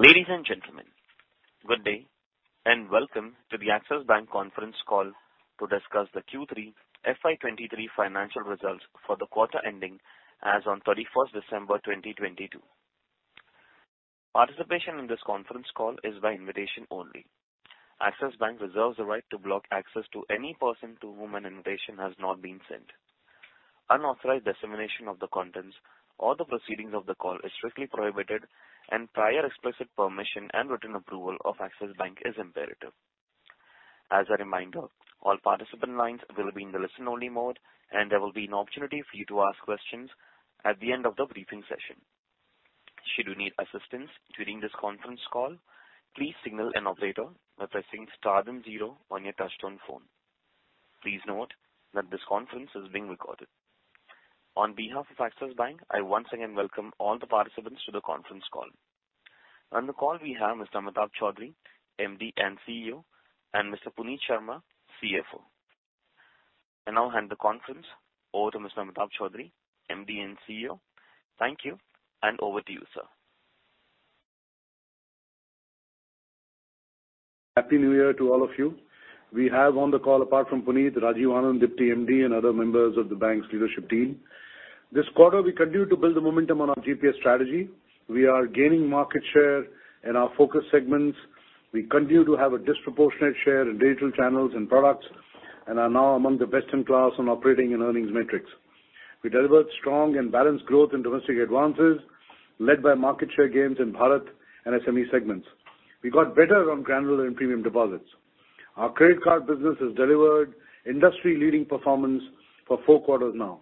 Ladies and gentlemen, good day and welcome to the Axis Bank conference call to discuss the Q3 FY23 financial results for the quarter ending as on 31st December 2022. Participation in this conference call is by invitation only. Axis Bank reserves the right to block access to any person to whom an invitation has not been sent. Unauthorized dissemination of the contents or the proceedings of the call is strictly prohibited. Prior explicit permission and written approval of Axis Bank is imperative. As a reminder, all participant lines will be in the listen-only mode. There will be an opportunity for you to ask questions at the end of the briefing session. Should you need assistance during this conference call, please signal an operator by pressing star then zero on your touchtone phone. Please note that this conference is being recorded. On behalf of Axis Bank, I once again welcome all the participants to the conference call. On the call, we have Mr. Amitabh Chaudhry, MD and CEO, and Mr. Puneet Sharma, CFO. I now hand the conference over to Mr. Amitabh Chaudhry, MD and CEO. Thank you. Over to you, sir. Happy New Year to all of you. We have on the call, apart from Puneet, Rajiv Anand, Deepti, MD, and other members of the bank's leadership team. This quarter, we continue to build the momentum on our GPS strategy. We are gaining market share in our focus segments. We continue to have a disproportionate share in digital channels and products and are now among the best-in-class on operating and earnings metrics. We delivered strong and balanced growth in domestic advances, led by market share gains in Bharat and SME segments. We got better on granular and premium deposits. Our credit card business has delivered industry-leading performance for four quarters now.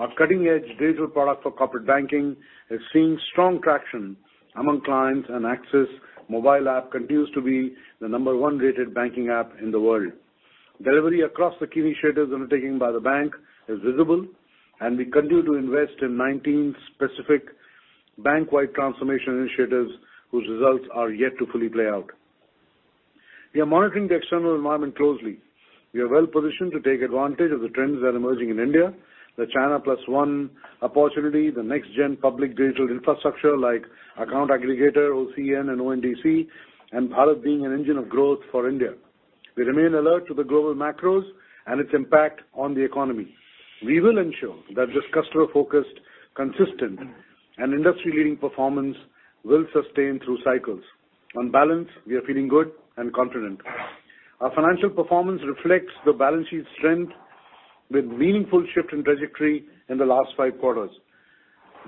NEO, our cutting-edge digital product for corporate banking, is seeing strong traction among clients, and Axis Mobile app continues to be the number-one rated banking app in the world. Delivery across the key initiatives undertaken by the bank is visible, and we continue to invest in 19 specific bank-wide transformation initiatives whose results are yet to fully play out. We are monitoring the external environment closely. We are well-positioned to take advantage of the trends that are emerging in India, the China plus one opportunity, the next-gen public digital infrastructure like Account Aggregator, OCEN, and ONDC, and Bharat being an engine of growth for India. We remain alert to the global macros and its impact on the economy. We will ensure that this customer-focused, consistent, and industry-leading performance will sustain through cycles. On balance, we are feeling good and confident. Our financial performance reflects the balance sheet strength with meaningful shift in trajectory in the last five quarters.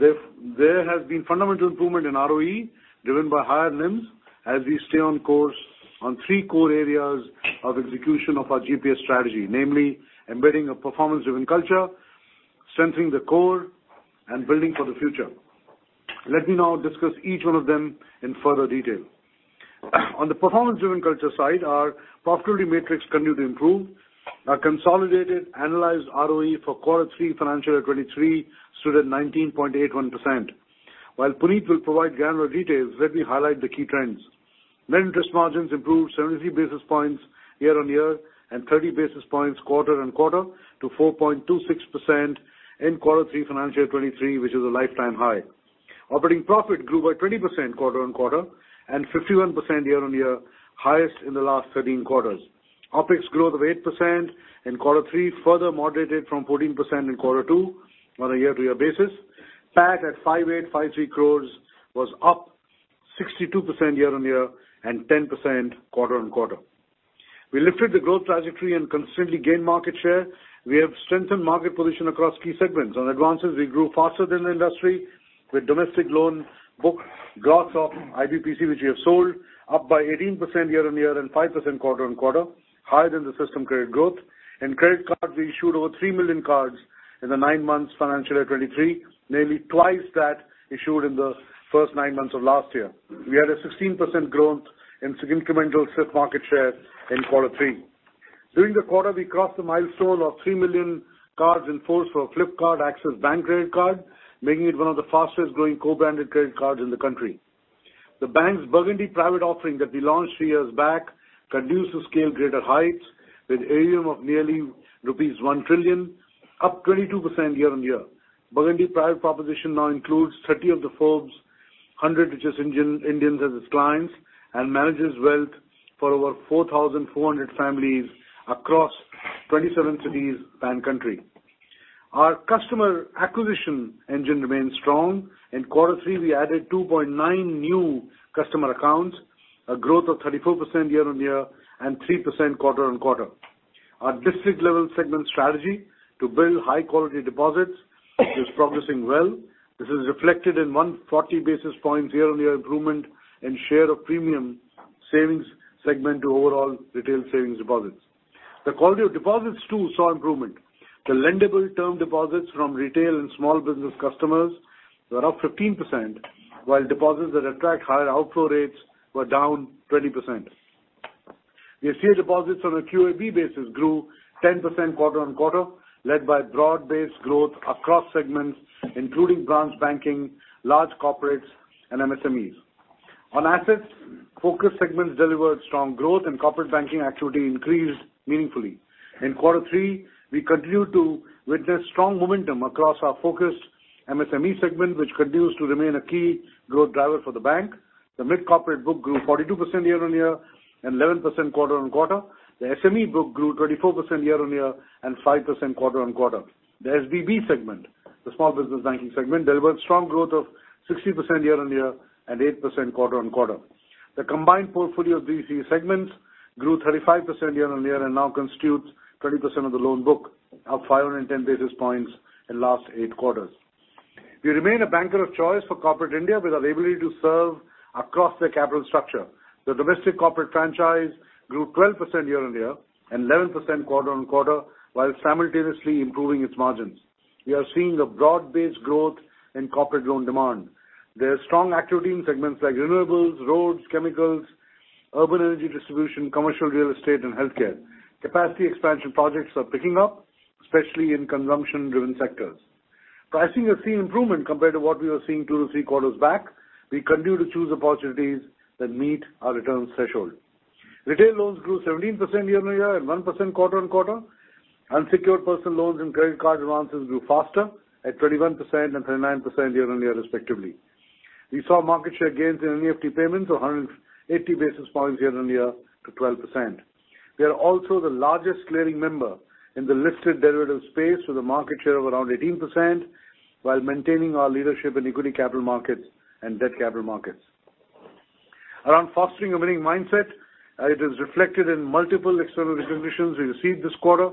There has been fundamental improvement in ROE driven by higher NIM as we stay on course on three core areas of execution of our GPS strategy, namely embedding a performance-driven culture, centering the core, and building for the future. Let me now discuss each one of them in further detail. On the performance-driven culture side, our profitability metrics continue to improve. Our consolidated analyzed ROE for quarter three financial year 2023 stood at 19.81%. While Puneet will provide granular details, let me highlight the key trends. Net interest margins improved 70 basis points year-on-year and 30 basis points quarter-on-quarter to 4.26% in quarter 3 financial year 2023, which is a lifetime high. Operating profit grew by 20% quarter-on-quarter and 51% year-on-year, highest in the last 13 quarters. OpEx growth of 8% in quarter three further moderated from 14% in quarter two on a year-to-year basis. PAT at 5,853 crores was up 62% year-on-year and 10% quarter-on-quarter. We lifted the growth trajectory and consistently gained market share. We have strengthened market position across key segments. On advances, we grew faster than the industry with domestic loan book gross of IBPC, which we have sold, up by 18% year-on-year and 5% quarter-on-quarter, higher than the system credit growth. In credit cards, we issued over 3 million cards in the nine months financial year 2023, nearly twice that issued in the first nine months of last year. We had a 16% growth in incremental shift market share in quarter three. During the quarter, we crossed the milestone of 3 million cards in force for Flipkart Axis Bank Credit Card, making it one of the fastest-growing co-branded credit cards in the country. The bank's Burgundy Private offering that we launched three years back continues to scale greater heights with AUM of nearly rupees 1 trillion, up 22% year-on-year. Burgundy Private proposition now includes 30 of the Forbes 100 richest Indians as its clients and manages wealth for over 4,400 families across 27 cities pan-country. Our customer acquisition engine remains strong. In quarter three, we added 2.9 new customer accounts, a growth of 34% year-on-year and 3% quarter-on-quarter. Our district-level segment strategy to build high-quality deposits is progressing well. This is reflected in 140 basis points year-on-year improvement in share of premium savings segment to overall retail savings deposits. The quality of deposits too saw improvement. The lendable term deposits from retail and small business customers were up 15%, while deposits that attract higher outflow rates were down 20%. The AC deposits on a QAB basis grew 10% quarter-on-quarter, led by broad-based growth across segments, including branch banking, large corporates, and MSMEs. Assets, focus segments delivered strong growth and corporate banking activity increased meaningfully. In quarter three, we continued to witness strong momentum across our focus MSME segment, which continues to remain a key growth driver for the bank. The mid-corporate book grew 42% year-on-year and 11% quarter-on-quarter. The SME book grew 24% year-on-year and 5% quarter-on-quarter. The SBB segment, the small business banking segment, delivered strong growth of 60% year-on-year and 8% quarter-on-quarter. The combined portfolio of these three segments grew 35% year-on-year and now constitutes 20% of the loan book, up 510 basis points in last eight quarters. We remain a banker of choice for corporate India with our ability to serve across the capital structure. The domestic corporate franchise grew 12% year-on-year and 11% quarter-on-quarter, while simultaneously improving its margins. We are seeing a broad-based growth in corporate loan demand. There are strong activity in segments like renewables, roads, chemicals, urban energy distribution, commercial real estate, and healthcare. Capacity expansion projects are picking up, especially in consumption-driven sectors. Pricing has seen improvement compared to what we were seeing two- three quarters back. We continue to choose opportunities that meet our return threshold. Retail loans grew 17% year-on-year and 1% quarter-on-quarter. Unsecured personal loans and credit card advances grew faster at 21% and 39% year-on-year respectively. We saw market share gains in NEFT payments of 180 basis points year-on-year to 12%. We are also the largest clearing member in the listed derivative space with a market share of around 18%, while maintaining our leadership in equity capital markets and debt capital markets. Around fostering a winning mindset, it is reflected in multiple external recognitions we received this quarter.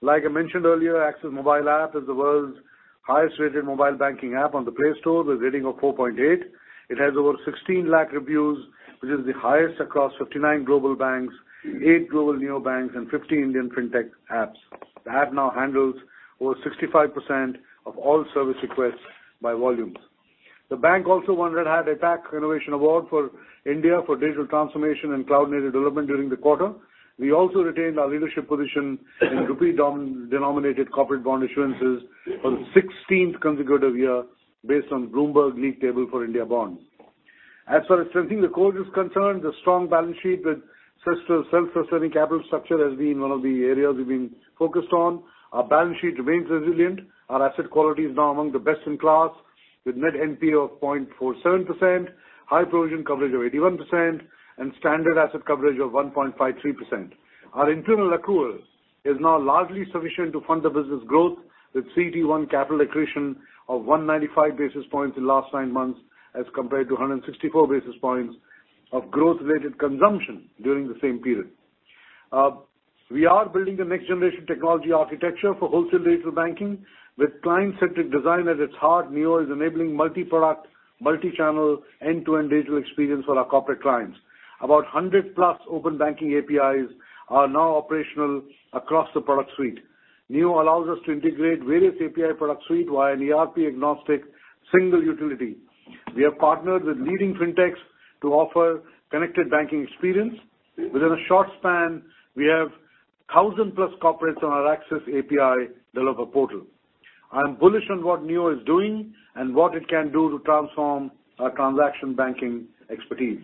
Like I mentioned earlier, Axis Mobile app is the world's highest-rated mobile banking app on the Play Store with a rating of 4.8. It has over 16 lakh reviews, which is the highest across 59 global banks, 8 global neo banks, and 50 Indian FinTech apps. The app now handles over 65% of all service requests by volumes. The bank also won that Red Hat APAC Innovation Award for India for digital transformation and cloud-native development during the quarter. We also retained our leadership position in rupee-denominated corporate bond issuances for the sixteenth consecutive year based on Bloomberg league table for India bond. For strengthening the core is concerned, the strong balance sheet with self-sustaining capital structure has been one of the areas we've been focused on. Our balance sheet remains resilient. Our asset quality is now among the best-in-class with net NPL of 0.47%, high provision coverage of 81%, and standard asset coverage of 1.53%. Our internal accruals is now largely sufficient to fund the business growth with CET1 capital accretion of 195 basis points in last 9 months as compared to 164 basis points of growth-related consumption during the same period. We are building the next-generation technology architecture for wholesale digital banking. With client-centric design at its heart, NEO for Corporates is enabling multi-product, multi-channel, end-to-end digital experience for our corporate clients. About 100-plus open banking APIs are now operational across the product suite. NEO for Corporates allows us to integrate various API product suite via an ERP-agnostic single utility. We have partnered with leading FinTechs to offer connected banking experience. Within a short span, we have 1,000-plus corporates on our Axis API Developer Portal. I am bullish on what NEO for Corporates is doing and what it can do to transform our transaction banking expertise.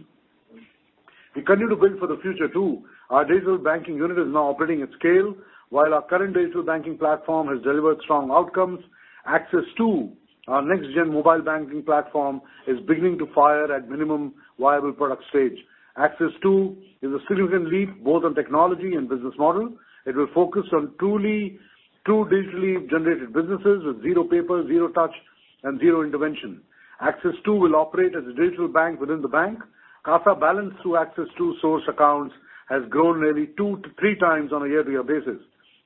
We continue to build for the future too. Our digital banking unit is now operating at scale. While our current digital banking platform has delivered strong outcomes, Axis Two, our next-gen mobile banking platform, is beginning to fire at minimum viable product stage. Axis 2.0 is a significant leap both on technology and business model. It will focus on truly 2 digitally-generated businesses with zero paper, zero touch, and zero intervention. Axis 2.0 will operate as a digital bank within the bank. CASA balance through Axis 2.0 source accounts has grown nearly 2-3 times on a year-over-year basis.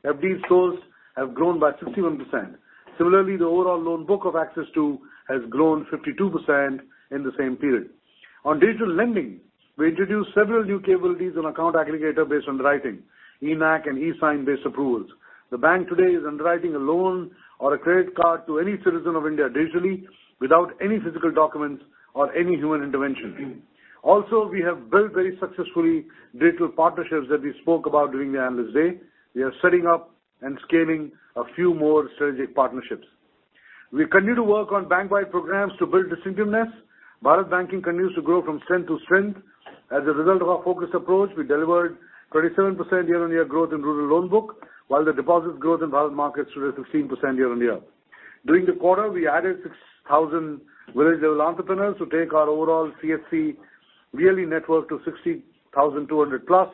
FD flows have grown by 61%. Similarly, the overall loan book of Axis 2.0 has grown 52% in the same period. On digital lending, we introduced several new capabilities on Account Aggregator-based underwriting, eKYC and eSign-based approvals. The bank today is underwriting a loan or a credit card to any citizen of India digitally without any physical documents or any human intervention. We have built very successfully digital partnerships that we spoke about during the analyst day. We are setting up and scaling a few more strategic partnerships. We continue to work on bank-wide programs to build distinctiveness. Bharat Banking continues to grow from strength to strength. As a result of our focused approach, we delivered 37% year-on-year growth in rural loan book, while the deposits growth in Bharat markets stood at 16% year-on-year. During the quarter, we added 6,000 village-level entrepreneurs to take our overall CFC really network to 60,200+.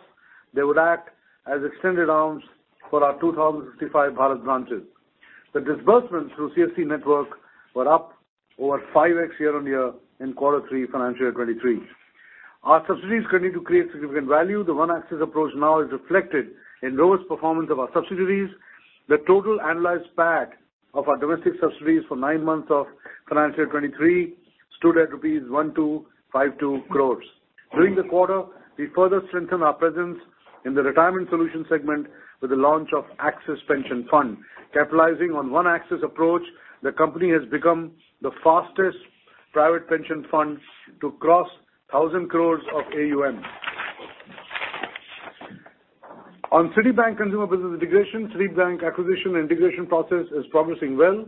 They would act as extended arms for our 2,065 Bharat branches. The disbursements through CFC network were up over 5x year-on-year in quarter three financial 2023. Our subsidiaries continue to create significant value. The One Axis approach now is reflected in lowest performance of our subsidiaries. The total analyzed PAT of our domestic subsidiaries for 9 months of financial 2023 stood at rupees 1,252 crore. During the quarter, we further strengthened our presence in the retirement solution segment with the launch of Axis Pension Fund. Capitalizing on One Axis approach, the company has become the fastest private pension fund to cross 1,000 crores of AUM. On Citibank consumer business integration, Citibank acquisition and integration process is progressing well.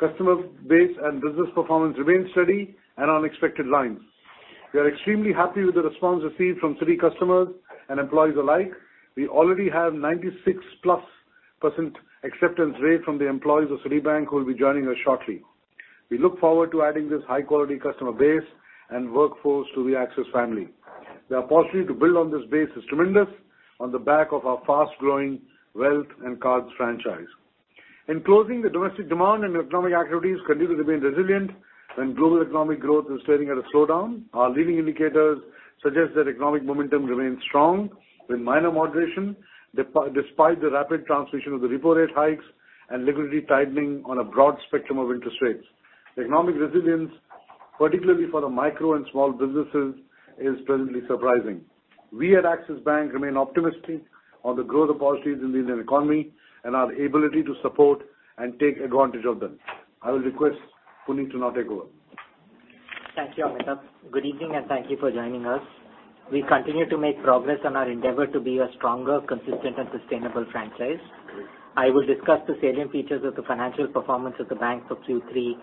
Customer base and business performance remain steady and on expected lines. We are extremely happy with the response received from Citibank customers and employees alike. We already have 96%+ acceptance rate from the employees of Citibank who will be joining us shortly. We look forward to adding this high-quality customer base and workforce to the Axis family. The opportunity to build on this base is tremendous on the back of our fast-growing wealth and cards franchise. In closing, the domestic demand and economic activities continue to remain resilient, and global economic growth is staying at a slowdown. Our leading indicators suggest that economic momentum remains strong with minor moderation, despite the rapid transmission of the repo rate hikes and liquidity tightening on a broad spectrum of interest rates. The economic resilience, particularly for the micro and small businesses, is presently surprising. We at Axis Bank remain optimistic on the growth opportunities in the Indian economy and our ability to support and take advantage of them. I will request Puneet to now take over. Thank you, Amitabh. Good evening, thank you for joining us. We continue to make progress on our endeavor to be a stronger, consistent and sustainable franchise. I will discuss the salient features of the financial performance of the bank for Q3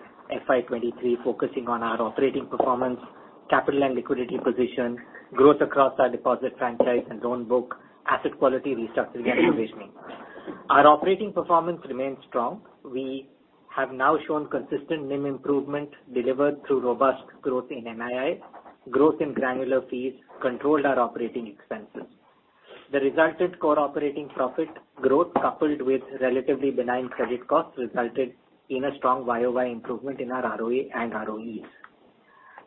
FY23, focusing on our operating performance, capital and liquidity position, growth across our deposit franchise and loan book, asset quality restructuring and provisioning. Our operating performance remains strong. We have now shown consistent NIM improvement delivered through robust growth in NII. Growth in granular fees controlled our operating expenses. The resultant core operating profit growth, coupled with relatively benign credit costs, resulted in a strong YOY improvement in our ROA and ROEs.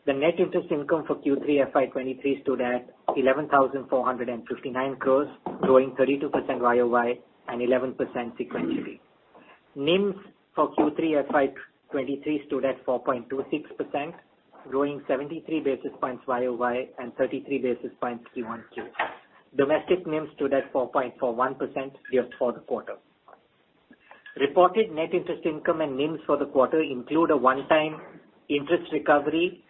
The net interest income for Q3 FY23 stood at 11,459 crores, growing 32% YOY and 11% sequentially. NIMs for Q3 FY 2023 stood at 4.26%, growing 73 basis points YOY and 33 basis points Q1Q. Domestic NIMs stood at 4.41% growth for the quarter. Reported net interest income and NIMs for the quarter include a one-time interest recovery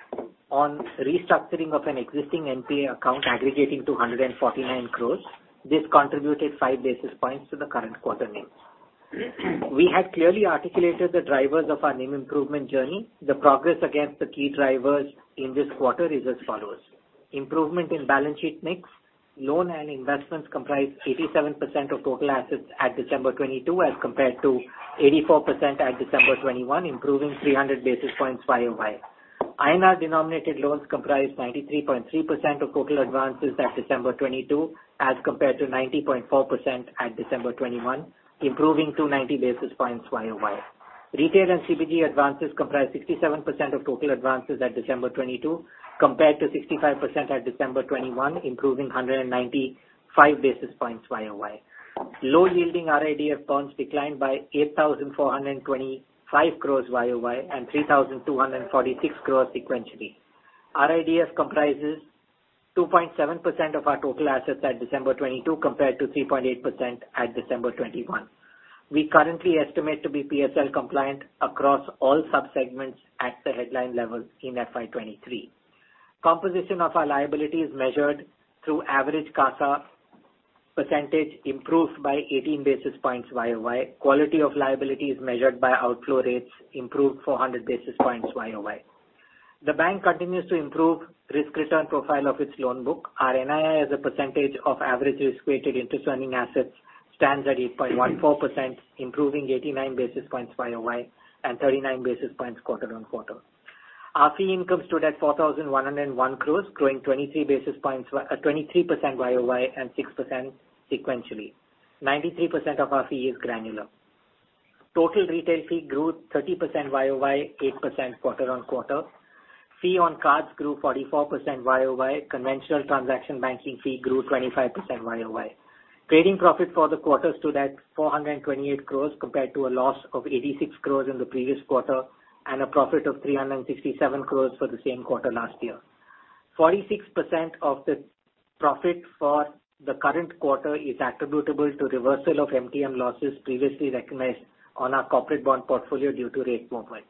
on restructuring of an existing NPA account aggregating to 149 crores. This contributed 5 basis points to the current quarter NIMs. We have clearly articulated the drivers of our NIM improvement journey. The progress against the key drivers in this quarter is as follows. Improvement in balance sheet mix. Loan and investments comprise 87% of total assets at December 2022, as compared to 84% at December 2021, improving 300 basis points YOY. INR-denominated loans comprise 93.3% of total advances at December 2022, as compared to 90.4% at December 2021, improving 290 basis points YOY. Retail and CPG advances comprise 67% of total advances at December 2022, compared to 65% at December 2021, improving 195 basis points YOY. Low-yielding RIDF loans declined by 8,425 crores YOY and 3,246 crores sequentially. RIDFs comprises 2.7% of our total assets at December 2022 compared to 3.8% at December 2021. We currently estimate to be PSL compliant across all subsegments at the headline level in FY 2023. Composition of our liability is measured through average CASA percentage improved by 18 basis points YOY. Quality of liability is measured by outflow rates improved 400 basis points YOY. The bank continues to improve risk-return profile of its loan book. Our NII, as a percentage of average risk-weighted into earning assets, stands at 8.14%, improving 89 basis points year-over-year and 39 basis points quarter-on-quarter. Our fee income stood at 4,101 crores, growing 23% year-over-year and 6% sequentially. 93% of our fee is granular. Total retail fee grew 30% year-over-year, 8% quarter-on-quarter. Fee on cards grew 44% year-over-year. Conventional transaction banking fee grew 25% year-over-year. Trading profit for the quarter stood at 428 crores compared to a loss of 86 crores in the previous quarter and a profit of 367 crores for the same quarter last year. 46% of the profit for the current quarter is attributable to reversal of MTM losses previously recognized on our corporate bond portfolio due to rate movements.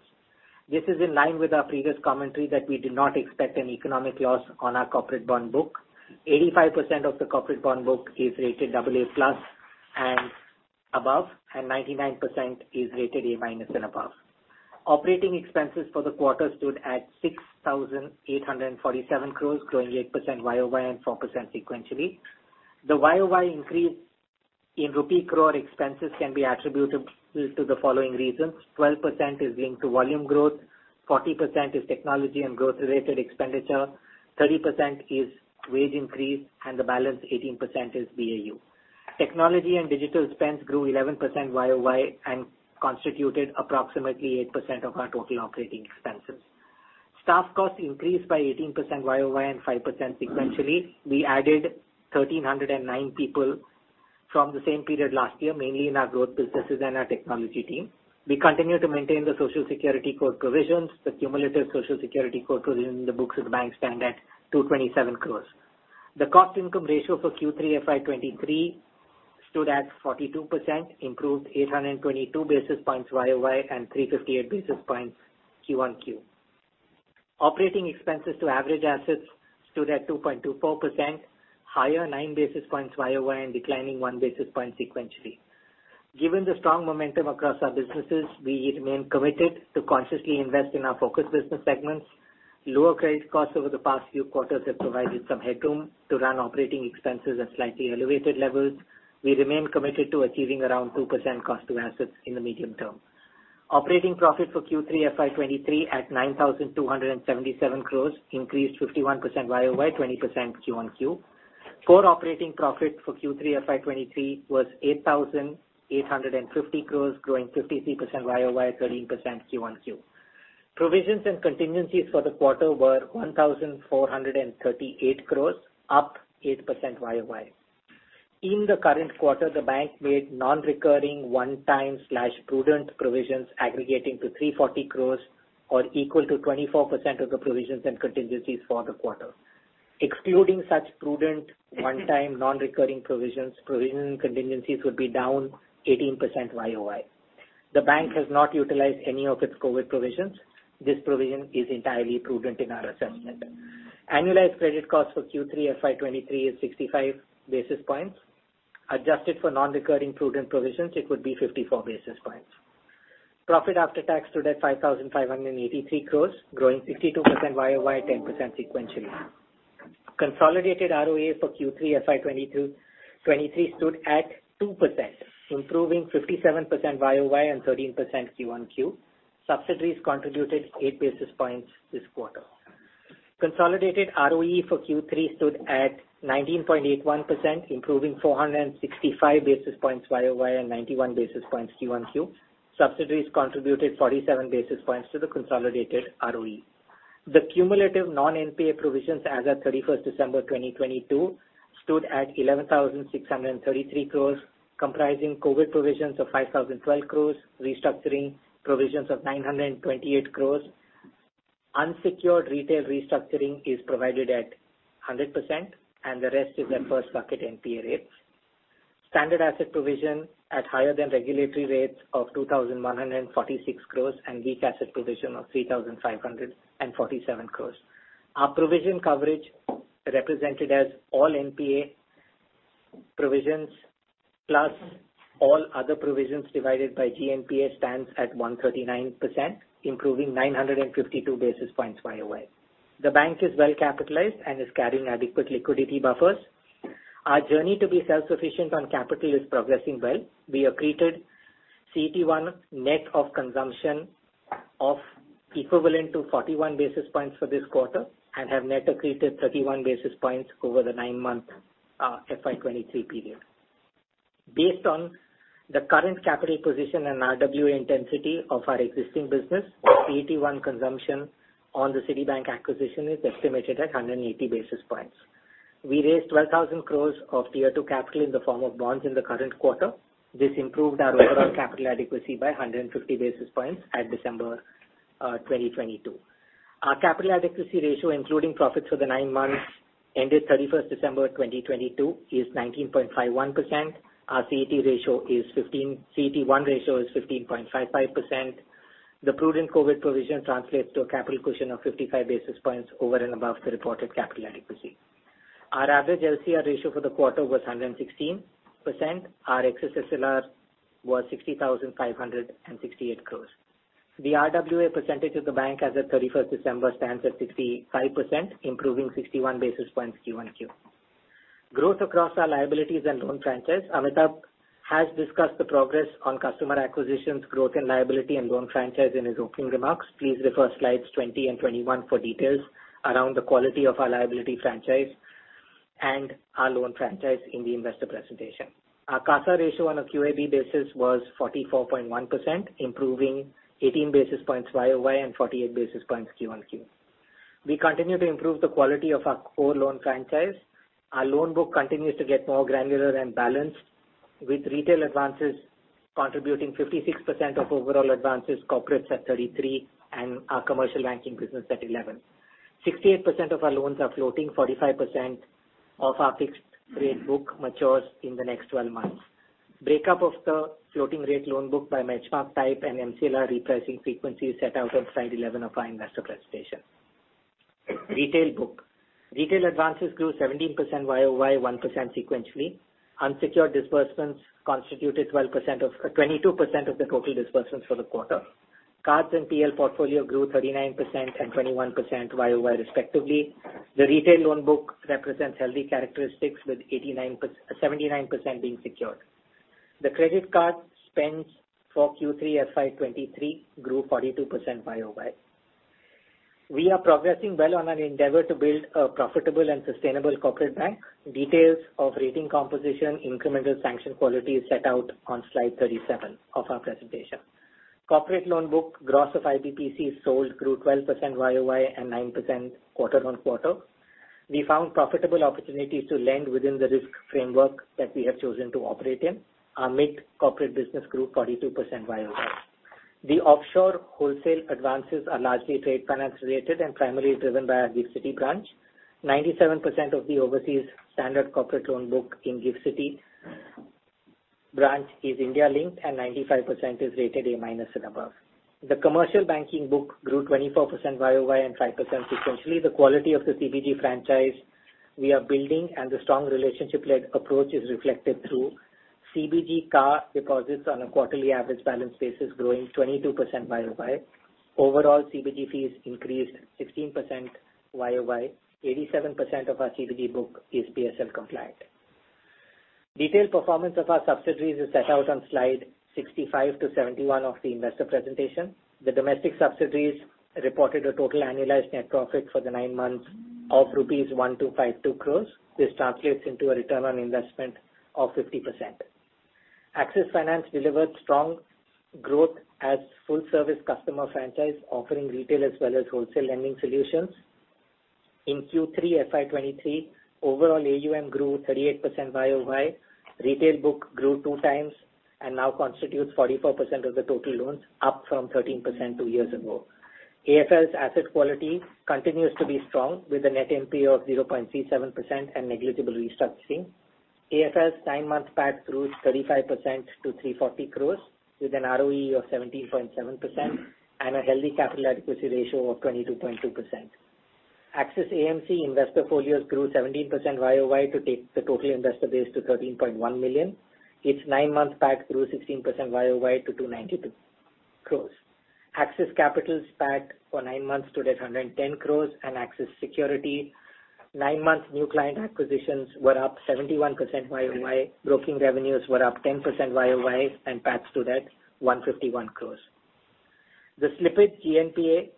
This is in line with our previous commentary that we did not expect an economic loss on our corporate bond book. 85% of the corporate bond book is rated double A+ and above, and 99% is rated A- and above. Operating expenses for the quarter stood at 6,847 crore, growing 8% YOY and 4% sequentially. The YOY increase in rupee crore expenses can be attributed to the following reasons. 12% is linked to volume growth, 40% is technology and growth-related expenditure, 30% is wage increase, and the balance 18% is BAU. Technology and digital spends grew 11% YOY and constituted approximately 8% of our total operating expenses. Staff costs increased by 18% YOY and 5% sequentially. We added 1,309 people from the same period last year, mainly in our growth businesses and our technology team. We continue to maintain the Social Security Code provisions. The cumulative Social Security Code provision in the books of the bank stand at 227 crores. The cost-income ratio for Q3 FY23 stood at 42%, improved 822 basis points YOY and 358 basis points Q1Q. Operating expenses to average assets stood at 2.24%, higher 9 basis points YOY and declining 1 basis point sequentially. Given the strong momentum across our businesses, we remain committed to consciously invest in our focus business segments. Lower credit costs over the past few quarters have provided some headroom to run operating expenses at slightly elevated levels. We remain committed to achieving around 2% cost to assets in the medium term. Operating profit for Q3 FY23 at 9,277 crores, increased 51% YOY, 20% Q-on-Q. Core operating profit for Q3 FY23 was 8,850 crores, growing 53% YOY, 13% Q-on-Q. Provisions and contingencies for the quarter were 1,438 crores, up 8% YOY. In the current quarter, the bank made non-recurring one-time/prudent provisions aggregating to 340 crores or equal to 24% of the provisions and contingencies for the quarter. Excluding such prudent one-time non-recurring provisions, provision contingencies would be down 18% YOY. The bank has not utilized any of its COVID provisions. This provision is entirely prudent in our assessment. Annualized credit costs for Q3 FY23 is 65 basis points. Adjusted for non-recurring prudent provisions, it would be 54 basis points. Profit after tax stood at 5,583 crores, growing 62% YOY, 10% sequentially. Consolidated ROA for Q3 FY22-23 stood at 2%, improving 57% YOY and 13% Q-on-Q. Subsidiaries contributed 8 basis points this quarter. Consolidated ROE for Q3 stood at 19.81%, improving 465 basis points YOY and 91 basis points Q-on-Q. Subsidiaries contributed 47 basis points to the consolidated ROE. The cumulative non-NPA provisions as at 31st December 2022 stood at 11,633 crores, comprising COVID provisions of 5,012 crores, restructuring provisions of 928 crores. Unsecured retail restructuring is provided at 100%, and the rest is at first bucket NPA rates. Standard asset provision at higher than regulatory rates of 2,146 crores and weak asset provision of 3,547 crores. Our provision coverage represented as all NPA provisions plus all other provisions divided by GNPA stands at 139%, improving 952 basis points YOY. The bank is well capitalized and is carrying adequate liquidity buffers. Our journey to be self-sufficient on capital is progressing well. We accreted CET1 net of consumption of equivalent to 41 basis points for this quarter and have net accreted 31 basis points over the nine-month FY23 period. Based on the current capital position and RWA intensity of our existing business, CET1 consumption on the Citibank acquisition is estimated at 180 basis points. We raised 12,000 crores of Tier two capital in the form of bonds in the current quarter. This improved our overall capital adequacy by 150 basis points at December 2022. Our capital adequacy ratio, including profits for the nine months ended 31st December 2022, is 19.51%. Our CET1 ratio is 15.55%. The prudent COVID provision translates to a capital cushion of 55 basis points over and above the reported capital adequacy. Our average LCR ratio for the quarter was 116%. Our excess SLR was 60,568 crores. The RWA percentage of the bank as at 31st December stands at 65%, improving 61 basis points Q-on-Q. Growth across our liabilities and loan franchise. Amitabh has discussed the progress on customer acquisitions, growth and liability and loan franchise in his opening remarks. Please refer slides 20 and 21 for details around the quality of our liability franchise and our loan franchise in the investor presentation. Our CASA ratio on a QAB basis was 44.1%, improving 18 basis points YOY and 48 basis points Q-on-Q. We continue to improve the quality of our core loan franchise. Our loan book continues to get more granular and balanced, with retail advances contributing 56% of overall advances, corporate at 33, and our commercial banking business at 11. 68% of our loans are floating, 45% of our fixed rate book matures in the next 12 months. Breakup of the floating rate loan book by benchmark type and MCLR repricing frequency is set out on slide 11 of our investor presentation. Retail book. Retail advances grew 17% YOY, 1% sequentially. Unsecured disbursements constituted 22% of the total disbursements for the quarter. Cards and PL portfolio grew 39% and 21% YOY respectively. The retail loan book represents healthy characteristics with 79% being secured. The credit card spends for Q3 FY23 grew 42% YOY. We are progressing well on an endeavor to build a profitable and sustainable corporate bank. Details of rating composition, incremental sanction quality is set out on slide 37 of our presentation. Corporate loan book gross of IBPC sold grew 12% YOY and 9% quarter-on-quarter. We found profitable opportunities to lend within the risk framework that we have chosen to operate in. Our mid corporate business grew 42% YOY. The offshore wholesale advances are largely trade finance-related and primarily driven by our Gift City branch. 97% of the overseas standard corporate loan book in Gift City Branch is India linked and 95% is rated A-minus and above. The commercial banking book grew 24% YOY and 5% sequentially. The quality of the CBG franchise we are building and the strong relationship-led approach is reflected through CBG CASA deposits on a quarterly average balance basis growing 22% YOY. Overall, CBG fees increased 16% YOY. 87% of our CBG book is PSL compliant. Detailed performance of our subsidiaries is set out on slide 65 to 71 of the investor presentation. The domestic subsidiaries reported a total annualized net profit for the 9 months of rupees 1 to 5, 2 crores. This translates into a return on investment of 50%. Axis Finance delivered strong growth as full service customer franchise offering retail as well as wholesale lending solutions. In Q3 FY23, overall AUM grew 38% YOY. Retail book grew two times and now constitutes 44% of the total loans, up from 13% two years ago. AFL's asset quality continues to be strong with a net NPA of 0.37% and negligible restructuring. AFL's nine-month PAT grew 35% to 340 crores with an ROE of 17.7% and a healthy capital adequacy ratio of 22.2%. Axis AMC investor folios grew 17% YOY to take the total investor base to 13.1 million. Its nine-month PAT grew 16% YOY to 292 crores. Axis Capital's PAT for nine months stood at 110 crores. Axis Securities nine-month new client acquisitions were up 71% YOY. Broking revenues were up 10% YOY and PAT stood at 151 crores. The slippage GNPA,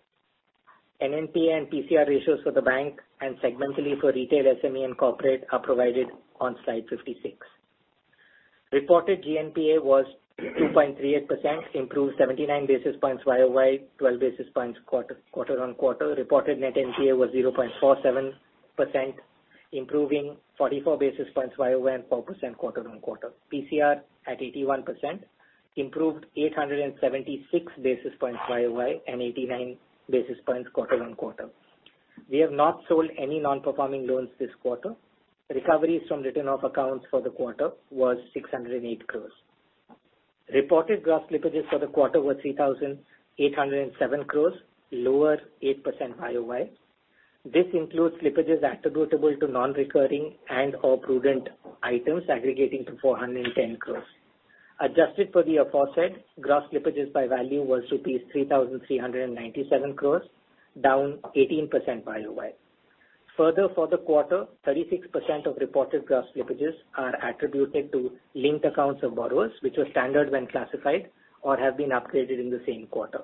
NNPA and PCR ratios for the bank and segmentally for retail SME and corporate are provided on slide 56. Reported GNPA was 2.38%, improved 79 basis points YOY, 12 basis points quarter-on-quarter. Reported net NPA was 0.47%, improving 44 basis points YOY and 4% quarter-on-quarter. PCR at 81%, improved 876 basis points YOY and 89 basis points quarter-on-quarter. We have not sold any non-performing loans this quarter. Recoveries from written off accounts for the quarter was 608 crores. Reported gross slippages for the quarter were 3,807 crores, lower 8% YOY. This includes slippages attributable to non-recurring and/or prudent items aggregating to 410 crores. Adjusted for the aforesaid, gross slippages by value was rupees 3,397 crores, down 18% YOY. For the quarter, 36% of reported gross slippages are attributed to linked accounts of borrowers which were standard when classified or have been upgraded in the same quarter.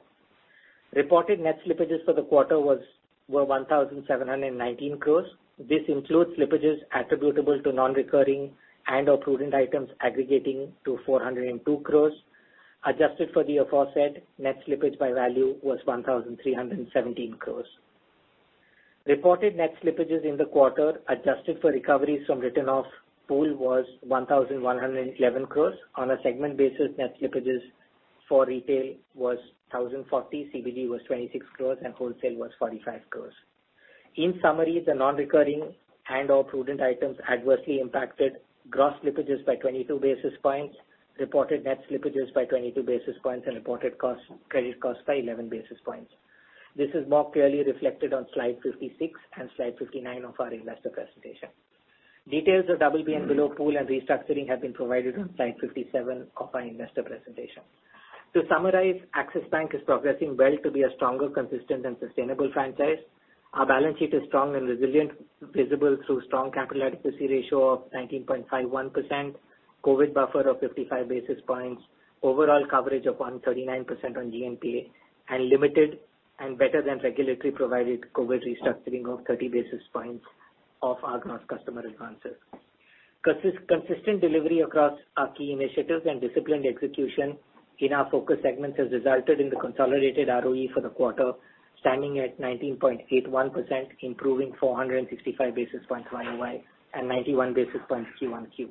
Reported net slippages for the quarter were 1,719 crores. This includes slippages attributable to non-recurring and/or prudent items aggregating to 402 crores. Adjusted for the aforesaid, net slippage by value was 1,317 crores. Reported net slippages in the quarter adjusted for recoveries from written off pool was 1,111 crores. On a segment basis, net slippages for retail was 1,040, CBG was 26 crores, and wholesale was 45 crores. In summary, the non-recurring and/or prudent items adversely impacted gross slippages by 22 basis points, reported net slippages by 22 basis points and reported cost, credit costs by 11 basis points. This is more clearly reflected on slide 56 and slide 59 of our investor presentation. Details of double-beam below pool and restructuring have been provided on slide 57 of our investor presentation. To summarize, Axis Bank is progressing well to be a stronger, consistent and sustainable franchise. Our balance sheet is strong and resilient, visible through strong capital adequacy ratio of 19.51%, COVID buffer of 55 basis points, overall coverage of 139% on GNPA and limited and better than regulatory provided COVID restructuring of 30 basis points of our gross customer advances. Consistent delivery across our key initiatives and disciplined execution in our focus segments has resulted in the consolidated ROE for the quarter standing at 19.81%, improving 465 basis points YOY and 91 basis points Q1Q.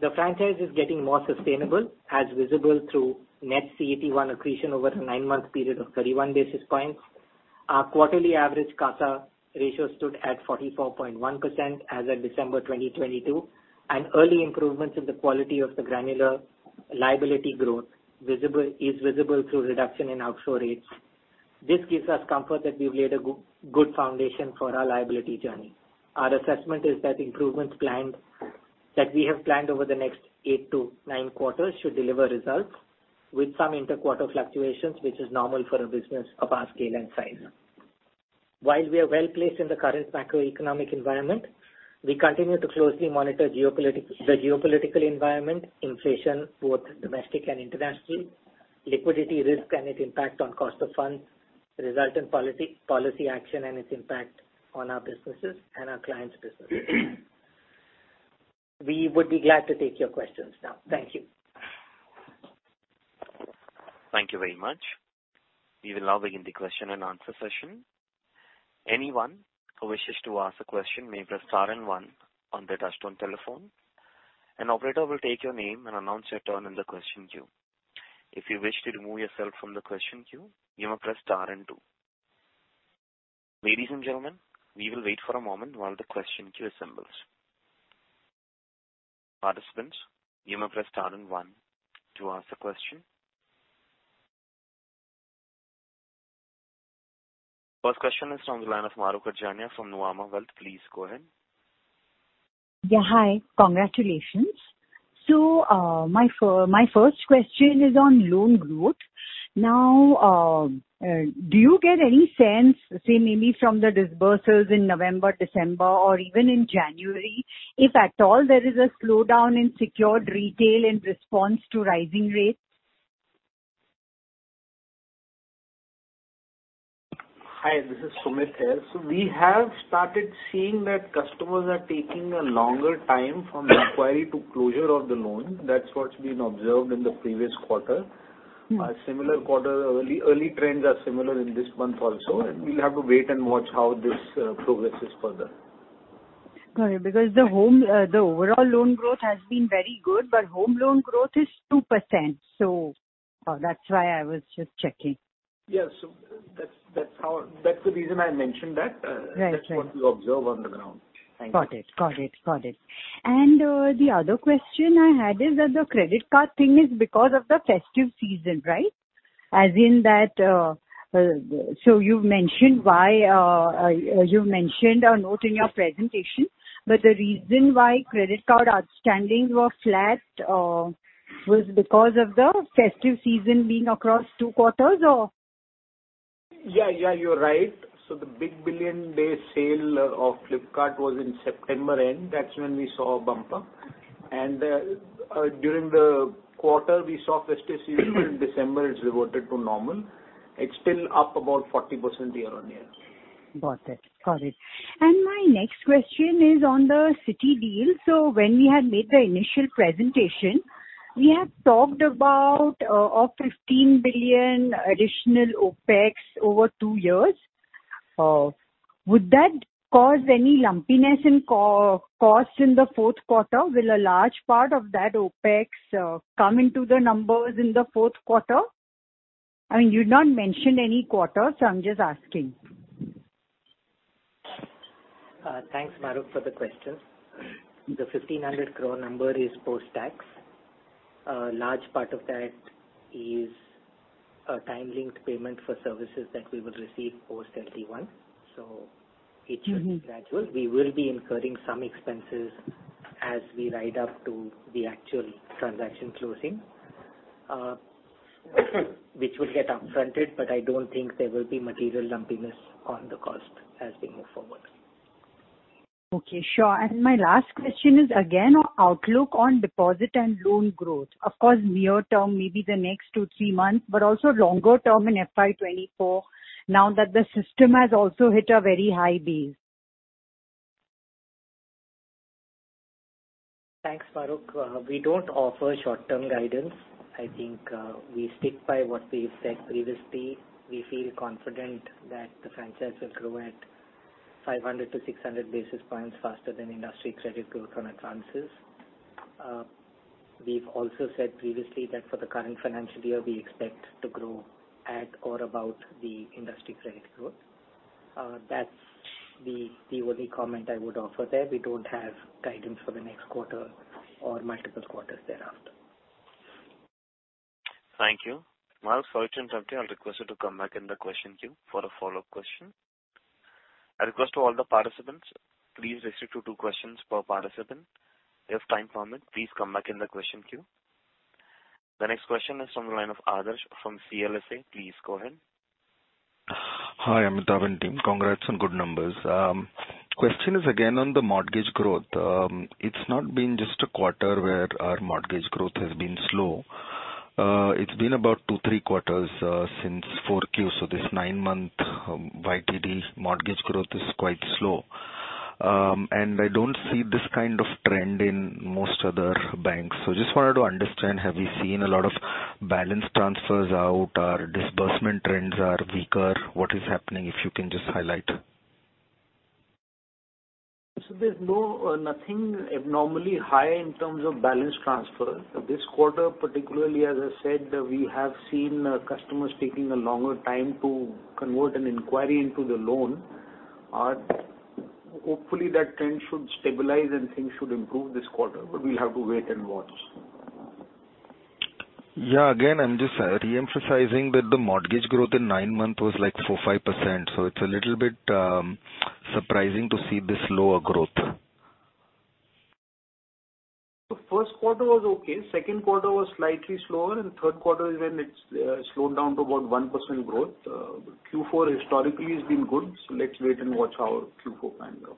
The franchise is getting more sustainable as visible through net CET1 accretion over a 9-month period of 31 basis points. Our quarterly average CASA ratio stood at 44.1% as of December 2022. Early improvements in the quality of the granular liability growth is visible through reduction in outflow rates. This gives us comfort that we've laid a good foundation for our liability journey. Our assessment is that improvements planned that we have planned over the next 8 to 9 quarters should deliver results with some inter-quarter fluctuations, which is normal for a business of our scale and size. While we are well-placed in the current macroeconomic environment, we continue to closely monitor the geopolitical environment, inflation, both domestic and international, liquidity risk and its impact on cost of funds, resultant policy action and its impact on our businesses and our clients' businesses. We would be glad to take your questions now. Thank you. Thank you very much. We will now begin the question and answer session. Anyone who wishes to ask a question may press star and one on their touch-tone telephone. An operator will take your name and announce your turn in the question queue. If you wish to remove yourself from the question queue, you may press star and two. Ladies and gentlemen, we will wait for a moment while the question queue assembles. Participants, you may press star and one to ask the question. First question is from the line of Mahrukh Adajania from Nuvama Wealth. Please go ahead. Yeah. Hi, congratulations. My first question is on loan growth. Do you get any sense, say maybe from the disbursements in November, December or even in January, if at all there is a slowdown in secured retail in response to rising rates? Hi, this is Sumit here. We have started seeing that customers are taking a longer time from inquiry to closure of the loan. That's what's been observed in the previous quarter. Mm-hmm. A similar quarter. Early trends are similar in this month also. We'll have to wait and watch how this progresses further. Got it. The overall loan growth has been very good, but home loan growth is 2%. That's why I was just checking. Yeah. That's how. That's the reason I mentioned that. Right. Right. That's what we observe on the ground. Thank you. Got it. Got it. Got it. The other question I had is that the credit card thing is because of the festive season, right? As in that, you've mentioned why, you mentioned a note in your presentation, the reason why credit card outstandings were flat, was because of the festive season being across 2 quarters or? Yeah, yeah, you're right. The Big Billion Day sale of Flipkart was in September end. That's when we saw a bump up. During the quarter, we saw festive season. In December, it's reverted to normal. It's still up about 40% year-on-year. Got it. Got it. My next question is on the Citi deal. When we had made the initial presentation, we had talked about 15 billion additional OpEx over 2 years. Would that cause any lumpiness in co-cost in the fourth quarter? Will a large part of that OpEx come into the numbers in the fourth quarter? I mean, you've not mentioned any quarter, so I'm just asking. Thanks, Mahrukh, for the question. The 1,500 crore number is post-tax. A large part of that is a time-linked payment for services that we will receive post Day one, so it should be gradual. Mm-hmm. We will be incurring some expenses as we ride up to the actual transaction closing, which will get up fronted, but I don't think there will be material lumpiness on the cost as we move forward. My last question is again on outlook on deposit and loan growth. Of course, near term, maybe the next two, three months, but also longer term in FY 2024, now that the system has also hit a very high base. Thanks, Mahrukh. We don't offer short-term guidance. I think, we stick by what we've said previously. We feel confident that the franchise will grow at 500-600 basis points faster than industry credit growth on advances. We've also said previously that for the current financial year, we expect to grow at or about the industry credit growth. That's the only comment I would offer there. We don't have guidance for the next quarter or multiple quarters thereafter. Thank you. Mahrukh, sorry to interrupt you. I'll request you to come back in the question queue for a follow-up question. A request to all the participants, please restrict to two questions per participant. If time permit, please come back in the question queue. The next question is from the line of Adarsh from CLSA. Please go ahead. Hi, Amitav and team. Congrats on good numbers. Question is again on the mortgage growth. It's not been just a quarter where our mortgage growth has been slow. It's been about two, three quarters, since four Q. This 9-month YTD mortgage growth is quite slow. I don't see this kind of trend in most other banks. Just wanted to understand, have you seen a lot of balance transfers out? Are disbursement trends are weaker? What is happening? If you can just highlight. There's no nothing abnormally high in terms of balance transfer. This quarter particularly, as I said, we have seen customers taking a longer time to convert an inquiry into the loan. Hopefully that trend should stabilize and things should improve this quarter, but we'll have to wait and watch. Yeah. Again, I'm just re-emphasizing that the mortgage growth in nine months was like 4%, 5%. It's a little bit surprising to see this lower growth. The first quarter was okay, second quarter was slightly slower, third quarter is when it's slowed down to about 1% growth. Q4 historically has been good, let's wait and watch how Q4 pans out.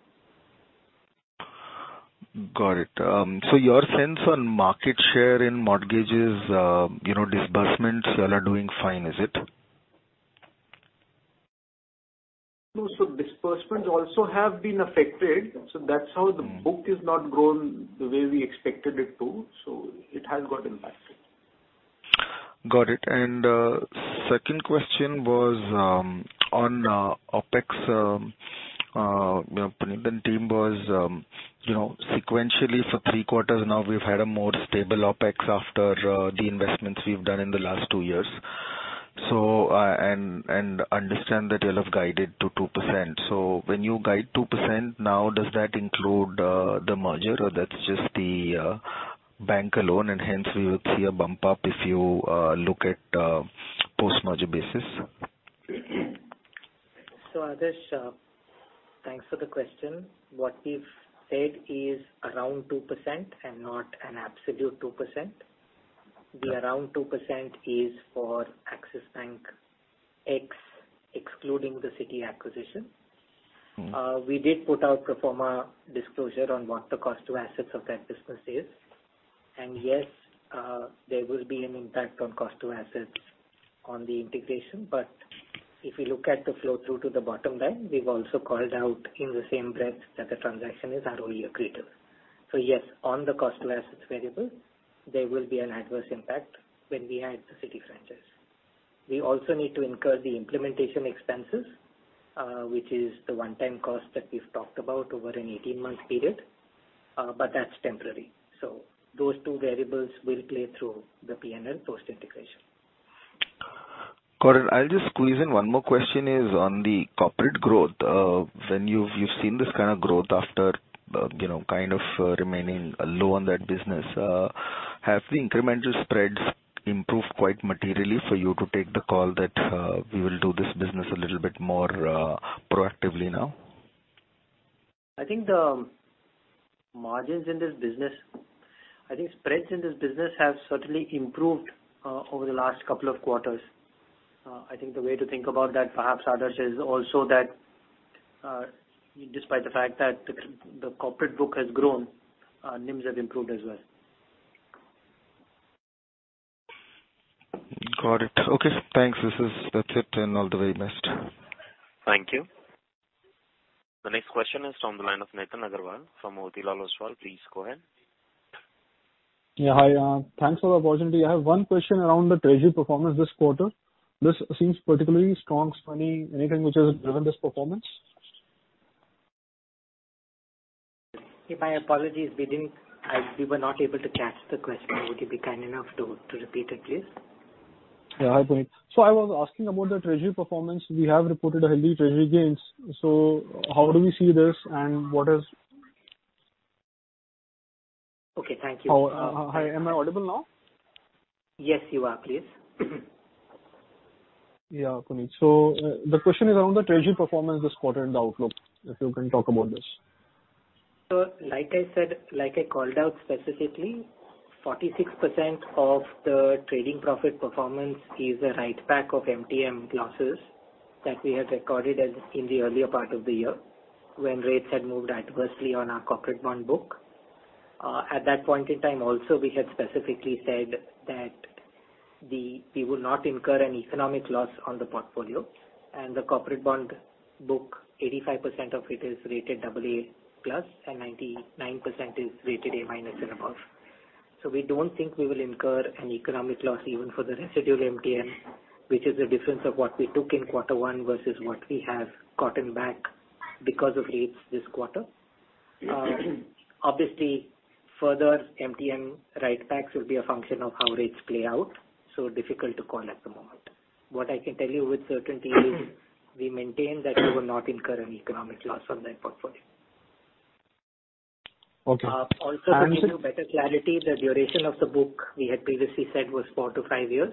Got it. Your sense on market share in mortgages, you know, disbursements, y'all are doing fine, is it? Disbursements also have been affected. That's how the book has not grown the way we expected it to. It has got impacted. Got it. Second question was on OpEx, you know, the team was, you know, sequentially for three quarters now, we've had a more stable OpEx after the investments we've done in the last two years. understand that you'll have guided to 2%. When you guide 2% now, does that include the merger or that's just the bank alone and hence we would see a bump up if you look at post-merger basis? Adarsh, thanks for the question. What we've said is around 2% and not an absolute 2%. Okay. The around 2% is for Axis Bank excluding the Citi acquisition. Mm-hmm. We did put out pro forma disclosure on what the cost to assets of that business is. Yes, there will be an impact on cost to assets on the integration. If you look at the flow through to the bottom line, we've also called out in the same breath that the transaction is only accretive. Yes, on the cost to assets variable, there will be an adverse impact when we add the Citi franchise. We also need to incur the implementation expenses, which is the one-time cost that we've talked about over an 18-month period, but that's temporary. Those two variables will play through the P&L post-integration. Got it. I'll just squeeze in one more question is on the corporate growth. When you've seen this kind of growth after, you know, kind of remaining low on that business, have the incremental spreads improved quite materially for you to take the call that, we will do this business a little bit more, proactively now? I think the margins in this business, I think spreads in this business have certainly improved over the last couple of quarters. I think the way to think about that, perhaps, Adarsh, is also that, despite the fact that the corporate book has grown, our NIMs have improved as well. Got it. Okay, thanks. That's it, and all the very best. Thank you. The next question is from the line of Nitin Aggarwal from Motilal Oswal. Please go ahead. Yeah, hi. Thanks for the opportunity. I have one question around the treasury performance this quarter. This seems particularly strong, Sunny. Anything which has driven this performance? My apologies. We were not able to catch the question. Would you be kind enough to repeat it, please? Yeah. Hi, Puneet. I was asking about the treasury performance. We have reported a healthy treasury gains, so how do we see this and what is-? Okay, thank you. Oh, hi. Am I audible now? Yes, you are. Please. Yeah, Puneet. The question is around the treasury performance this quarter and the outlook, if you can talk about this. Like I said, like I called out specifically, 46% of the trading profit performance is a write-back of MTM losses that we had recorded as, in the earlier part of the year when rates had moved adversely on our corporate bond book. At that point in time also we had specifically said that we would not incur any economic loss on the portfolio and the corporate bond book, 85% of it is rated AA+ and 99% is rated A- and above. We don't think we will incur an economic loss even for the residual MTM, which is the difference of what we took in quarter one versus what we have gotten back because of rates this quarter. Obviously, further MTM write-backs will be a function of how rates play out, so difficult to call at the moment. What I can tell you with certainty is we maintain that we will not incur an economic loss on that portfolio. Okay. Also to give you better clarity, the duration of the book we had previously said was four to five years.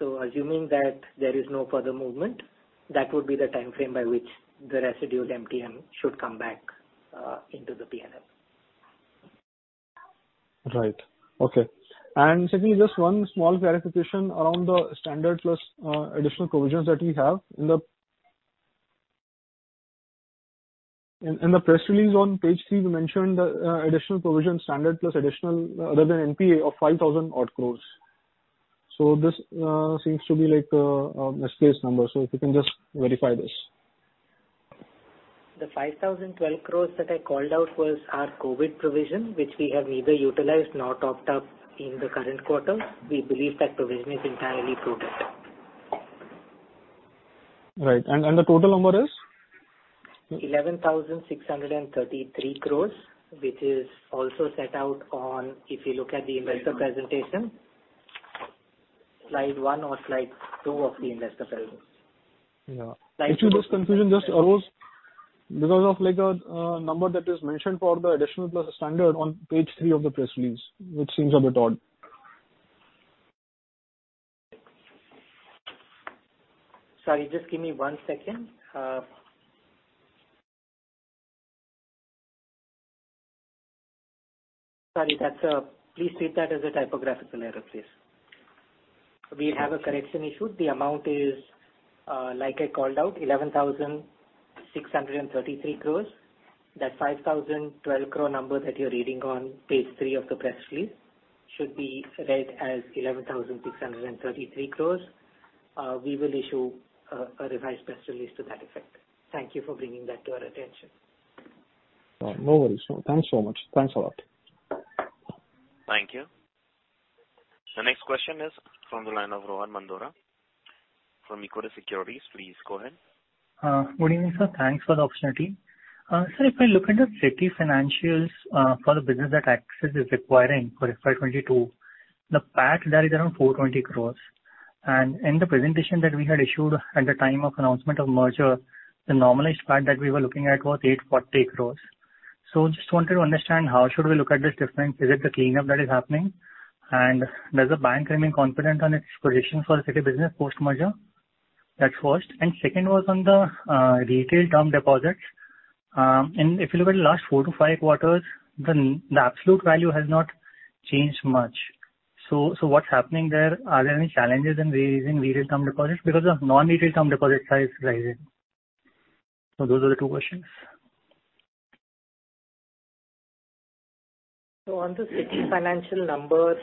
Assuming that there is no further movement, that would be the timeframe by which the residual MTM should come back into the P&L. Right. Okay. Secondly, just one small clarification around the standard plus additional provisions that we have. In the press release on page 3, we mentioned additional provision standard plus additional, other than NPA of 5,000 odd crores. This seems to be like a misplaced number. If you can just verify this. The 5,012 crores that I called out was our COVID provision, which we have neither utilized nor topped up in the current quarter. We believe that provision is entirely prudent. Right. The total number is? 11,633 crores, which is also set out on, if you look at the investor presentation, slide one or slide two of the investor presentation. Yeah. Slide two. Actually, this confusion just arose because of like a number that is mentioned for the additional plus standard on page three of the press release, which seems a bit odd. Sorry, just give me one second. Sorry. That's, please treat that as a typographical error, please. We have a correction issued. The amount is, like I called out, 11,633 crores. That 5,012 crore number that you're reading on page 3 of the press release should be read as 11,633 crores. We will issue a revised press release to that effect. Thank you for bringing that to our attention. No worries. Thanks so much. Thanks a lot. Thank you. The next question is from the line of Rohan Mandora from Equirus Securities. Please go ahead. Good evening, sir. Thanks for the opportunity. Sir, if I look at the Citi financials, for the business that Axis is acquiring for FY22, the PAT there is around 420 crores. In the presentation that we had issued at the time of announcement of merger, the normalized PAT that we were looking at was 840 crores. Just wanted to understand how should we look at this difference? Is it the cleanup that is happening? Does the bank remain confident on its position for the Citi Business post-merger? That's first. Second was on the retail term deposits. If you look at the last four to five quarters, the absolute value has not changed much. What's happening there? Are there any challenges in raising retail term deposits? Because of non-retail term deposit size rising. Those are the two questions. On the Citi financial numbers,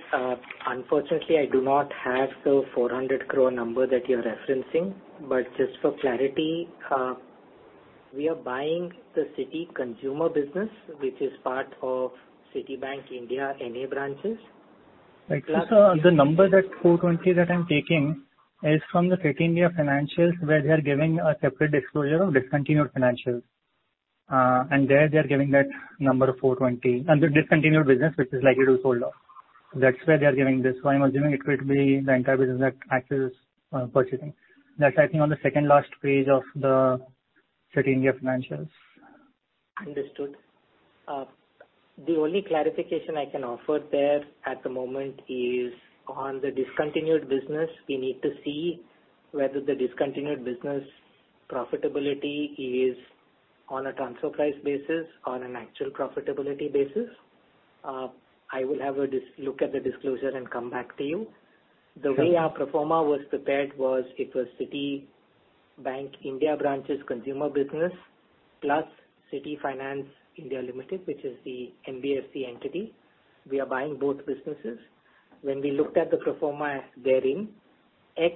unfortunately, I do not have the 400 crore number that you're referencing. Just for clarity, we are buying the Citi Consumer business, which is part of Citibank, N.A. India branches. Right. Sir, the number that 420 that I'm taking is from the Citi India financials, where they are giving a separate disclosure of discontinued financials. There they are giving that number of 420 under discontinued business, which is likely to sold off. That's why they are giving this. I'm assuming it could be the entire business that Axis purchasing. That's I think on the second last page of the Citi India financials. Understood. The only clarification I can offer there at the moment is on the discontinued business, we need to see whether the discontinued business profitability is on a transfer price basis, on an actual profitability basis. I will have a look at the disclosure and come back to you. Sure. The way our pro forma was prepared was it was Citibank India Branches Consumer Business plus CitiCorp Finance (India) Limited, which is the NBFC entity. We are buying both businesses. When we looked at the pro forma therein, ex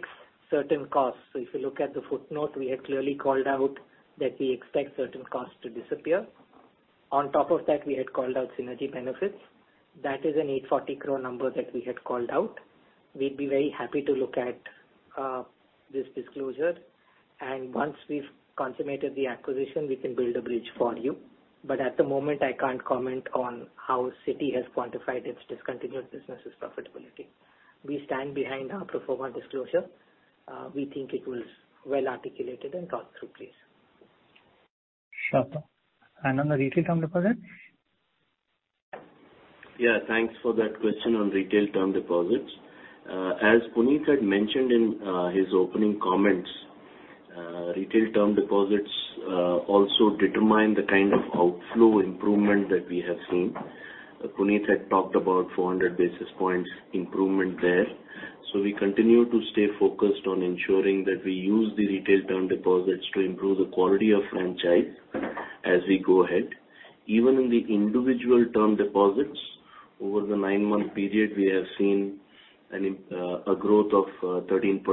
certain costs. If you look at the footnote, we had clearly called out that we expect certain costs to disappear. On top of that, we had called out synergy benefits. That is an 840 crore number that we had called out. We'd be very happy to look at this disclosure. Once we've consummated the acquisition, we can build a bridge for you. At the moment, I can't comment on how Citi has quantified its discontinued business's profitability. We stand behind our pro forma disclosure. We think it was well-articulated and thought through, please. Sure. On the retail term deposit? Thanks for that question on retail term deposits. As Puneet had mentioned in his opening comments, retail term deposits also determine the kind of outflow improvement that we have seen. Puneet had talked about 400 basis points improvement there. We continue to stay focused on ensuring that we use the retail term deposits to improve the quality of franchise as we go ahead. Even in the individual term deposits over the nine-month period, we have seen a growth of 13%.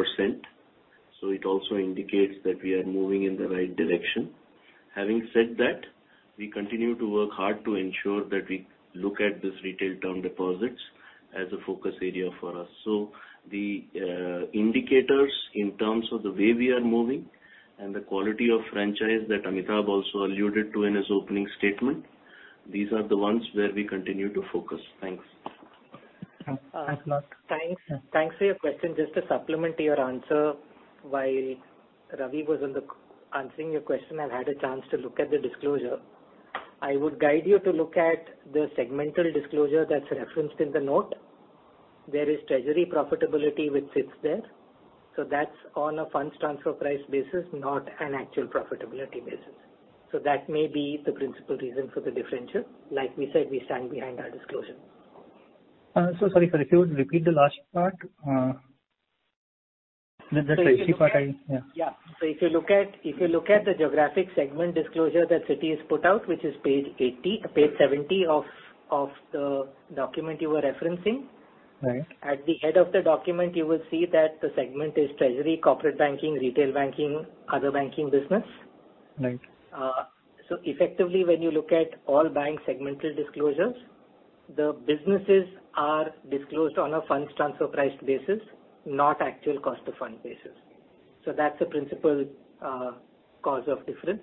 It also indicates that we are moving in the right direction. Having said that, we continue to work hard to ensure that we look at this retail term deposits as a focus area for us. The indicators in terms of the way we are moving and the quality of franchise that Amitabh also alluded to in his opening statement, these are the ones where we continue to focus. Thanks. Thanks a lot. Thanks. Thanks for your question. Just to supplement your answer, while Ravi was on the... answering your question, I've had a chance to look at the disclosure. I would guide you to look at the segmental disclosure that's referenced in the note. There is treasury profitability which sits there. That's on a funds transfer price basis, not an actual profitability basis. That may be the principal reason for the differential. Like we said, we stand behind our disclosure. So sorry, sir, if you would repeat the last part, the treasury part. Yeah. If you look at the geographic segment disclosure that Citi has put out, which is page 80, page 70 of the document you were referencing. Right. At the head of the document, you will see that the segment is treasury, corporate banking, retail banking, other banking business. Right. Effectively, when you look at all bank segmental disclosures, the businesses are disclosed on a funds transfer price basis, not actual cost of fund basis. That's the principal cause of difference.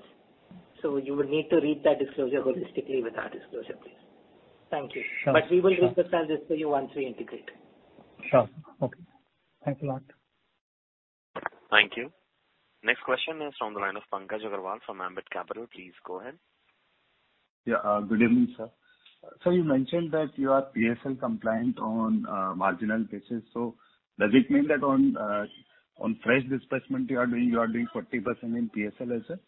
You will need to read that disclosure holistically with our disclosure, please. Thank you. Sure, sure. We will reconcile this for you once we integrate. Sure. Okay. Thanks a lot. Thank you. Next question is from the line of Pankaj Agarwal from Ambit Capital. Please go ahead. Yeah. Good evening, sir. You mentioned that you are PSL compliant on marginal basis. Does it mean that on fresh disbursement you are doing 40% in PSL as well?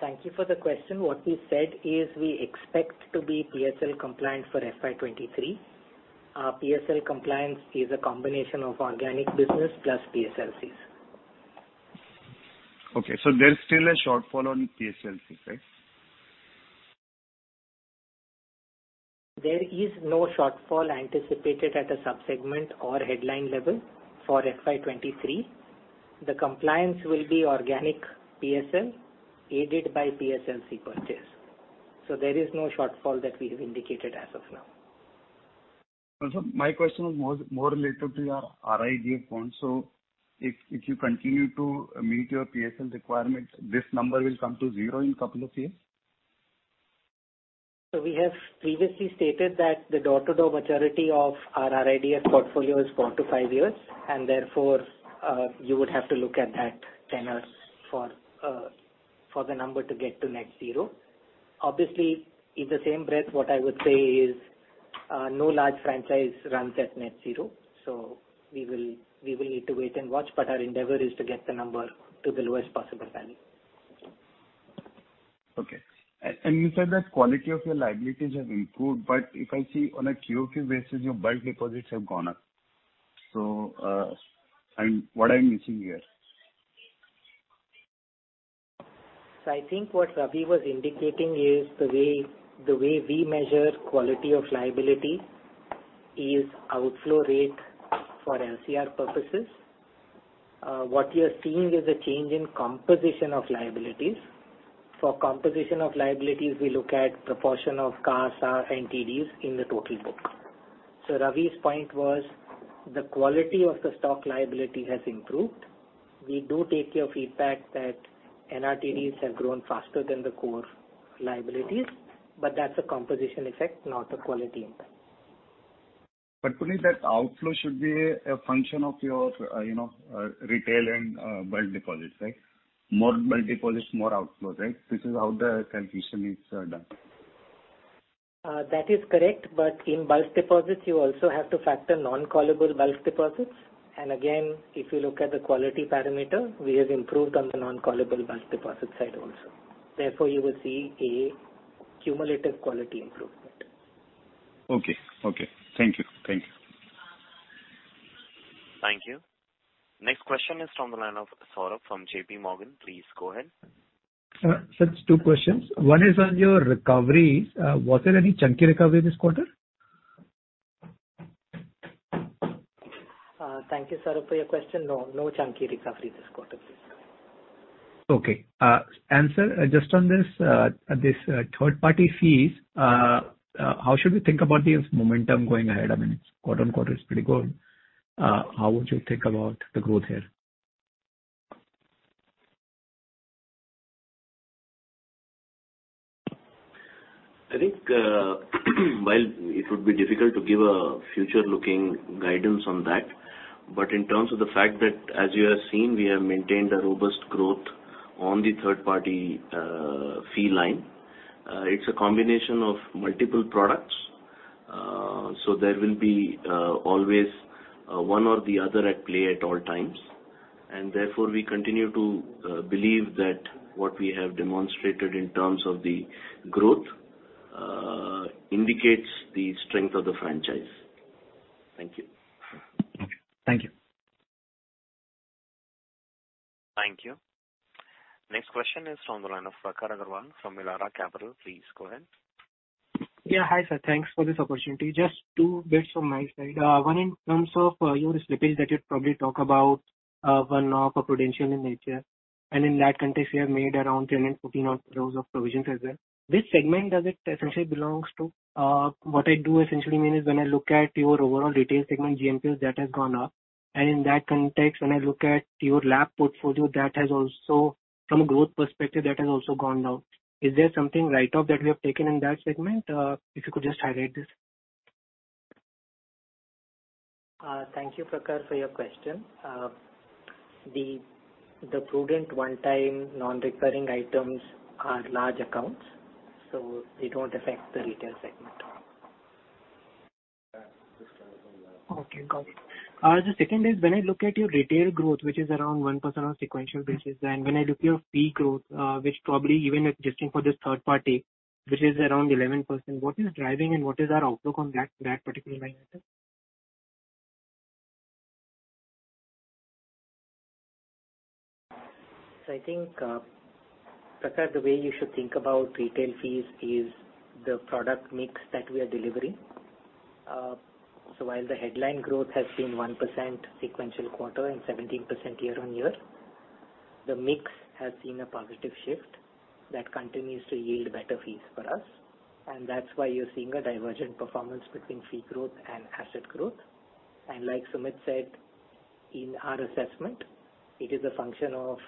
Thank you for the question. What we said is we expect to be PSL compliant for FY23. PSL compliance is a combination of organic business plus PSLCs. Okay. There's still a shortfall on PSLC, right? There is no shortfall anticipated at a subsegment or headline level for FY 2023. The compliance will be organic PSL aided by PSLC purchase. There is no shortfall that we have indicated as of now. My question was more related to your RIDF fund. If you continue to meet your PSL requirements, this number will come to zero in couple of years? We have previously stated that the door-to-door maturity of our RIDF portfolio is four-five years, and therefore, you would have to look at that tenures for the number to get to net zero. Obviously, in the same breath, what I would say is, no large franchise runs at net zero. We will need to wait and watch, but our endeavor is to get the number to the lowest possible value. Okay. You said that quality of your liabilities have improved, but if I see on a QoQ basis, your bulk deposits have gone up. What I'm missing here? I think what Ravi was indicating is the way we measure quality of liability is outflow rate for LCR purposes. What you're seeing is a change in composition of liabilities. For composition of liabilities, we look at proportion of CAR, SAR and TDs in the total book. Ravi's point was the quality of the stock liability has improved. We do take your feedback that NRTDs have grown faster than the core liabilities, but that's a composition effect, not a quality impact. Puneet, that outflow should be a function of your, you know, retail and bulk deposits, right? More bulk deposits, more outflows, right? This is how the calculation is done. That is correct. In bulk deposits you also have to factor non-callable bulk deposits. Again, if you look at the quality parameter, we have improved on the non-callable bulk deposit side also. Therefore, you will see a cumulative quality improvement. Okay. Okay. Thank you. Thank you. Thank you. Next question is from the line of Saurabh from JP Morgan. Please go ahead. Just two questions. One is on your recovery. Was there any chunky recovery this quarter? Thank you, Saurabh, for your question. No, no chunky recovery this quarter. Okay. Sir, just on this, third-party fees, how should we think about the momentum going ahead? I mean, quarter-on-quarter is pretty good. How would you think about the growth here? I think, while it would be difficult to give a future-looking guidance on that, but in terms of the fact that as you have seen, we have maintained a robust growth on the third party fee line. It's a combination of multiple products. So there will be always one or the other at play at all times. Therefore, we continue to believe that what we have demonstrated in terms of the growth indicates the strength of the franchise. Thank you. Thank you. Thank you. Next question is from the line of Prakhar Agarwal from Elara Capital. Please go ahead. Yeah. Hi, sir. Thanks for this opportunity. Just two bits from my side. One in terms of your slippage that you'd probably talk about, one-off a prudential in nature. In that context, you have made around 10 and 15 odd crores of provisions as well. Which segment does it essentially belongs to? What I do essentially mean is when I look at your overall retail segment GNPAs that has gone up, in that context, when I look at your LAP portfolio that has also from a growth perspective gone down. Is there something write-off that we have taken in that segment? If you could just highlight this. Thank you Prakhar for your question. The prudent one-time non-recurring items are large accounts, so they don't affect the retail segment at all. Okay, got it. The second is when I look at your retail growth, which is around 1% on sequential basis, and when I look at your fee growth, which probably even adjusting for this third party, which is around 11%. What is driving and what is our outlook on that particular line item? I think, Prakhar, the way you should think about retail fees is the product mix that we are delivering. While the headline growth has been 1% sequential quarter and 17% year-on-year, the mix has seen a positive shift that continues to yield better fees for us. That's why you're seeing a divergent performance between fee growth and asset growth. Like Sumit said, in our assessment, it is a function of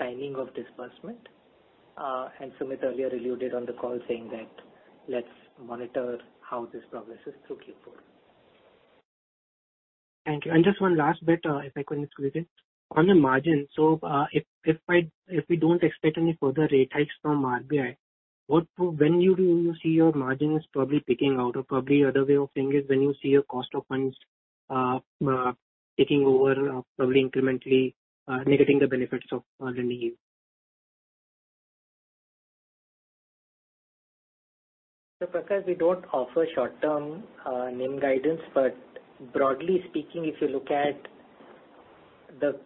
timing of disbursement. Sumit earlier alluded on the call saying that let's monitor how this progresses through Q4. Thank you. Just one last bit, if I could squeeze in. On the margin, if we don't expect any further rate hikes from RBI, when do you see your margin is probably peaking out? Probably other way of saying is when you see your cost of funds taking over probably incrementally negating the benefits of relief? Prakhar, we don't offer short-term, NIM guidance, but broadly speaking, if you look at the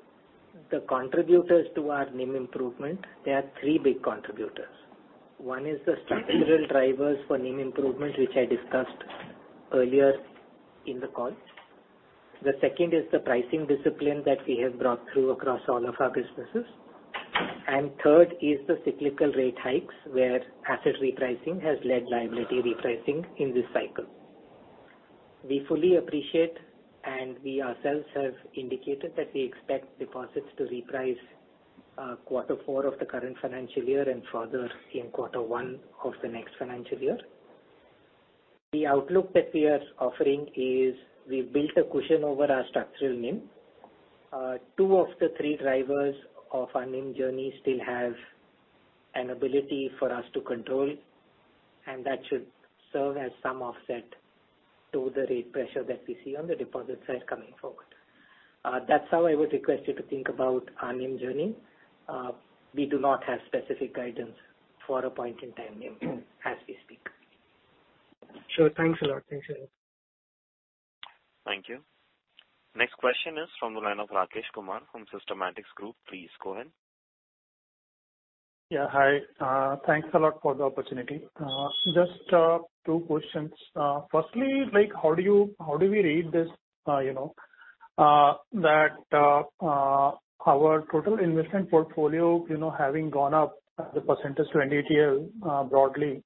contributors to our NIM improvement, there are three big contributors. One is the structural drivers for NIM improvement, which I discussed earlier in the call. The second is the pricing discipline that we have brought through across all of our businesses. Third is the cyclical rate hikes, where asset repricing has led liability repricing in this cycle. We fully appreciate, and we ourselves have indicated that we expect deposits to reprice, quarter four of the current financial year and further in quarter one of the next financial year. The outlook that we are offering is we've built a cushion over our structural NIM. Two of the three drivers of our NIM journey still have an ability for us to control, and that should serve as some offset to the rate pressure that we see on the deposit side coming forward. That's how I would request you to think about our NIM journey. We do not have specific guidance for a point in time NIM as we speak. Sure. Thanks a lot. Thanks a lot. Thank you. Next question is from the line of Rakesh Kumar from Systematix Group. Please go ahead. Yeah. Hi. Thanks a lot for the opportunity. Just two questions. Firstly, like, how do we read this, you know, that our total investment portfolio, you know, having gone up the percentage to end here, broadly,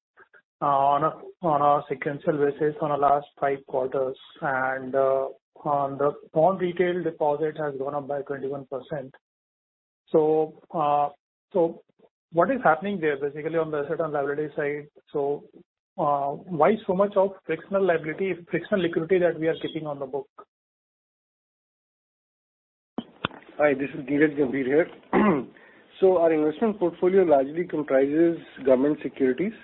on a sequential basis on the last five quarters and on the non-retail deposit has gone up by 21%? What is happening there basically on the asset and liability side? Why so much of frictional liability, frictional liquidity that we are keeping on the book? Hi, this is Neeraj Gambhir here. Our investment portfolio largely comprises government securities,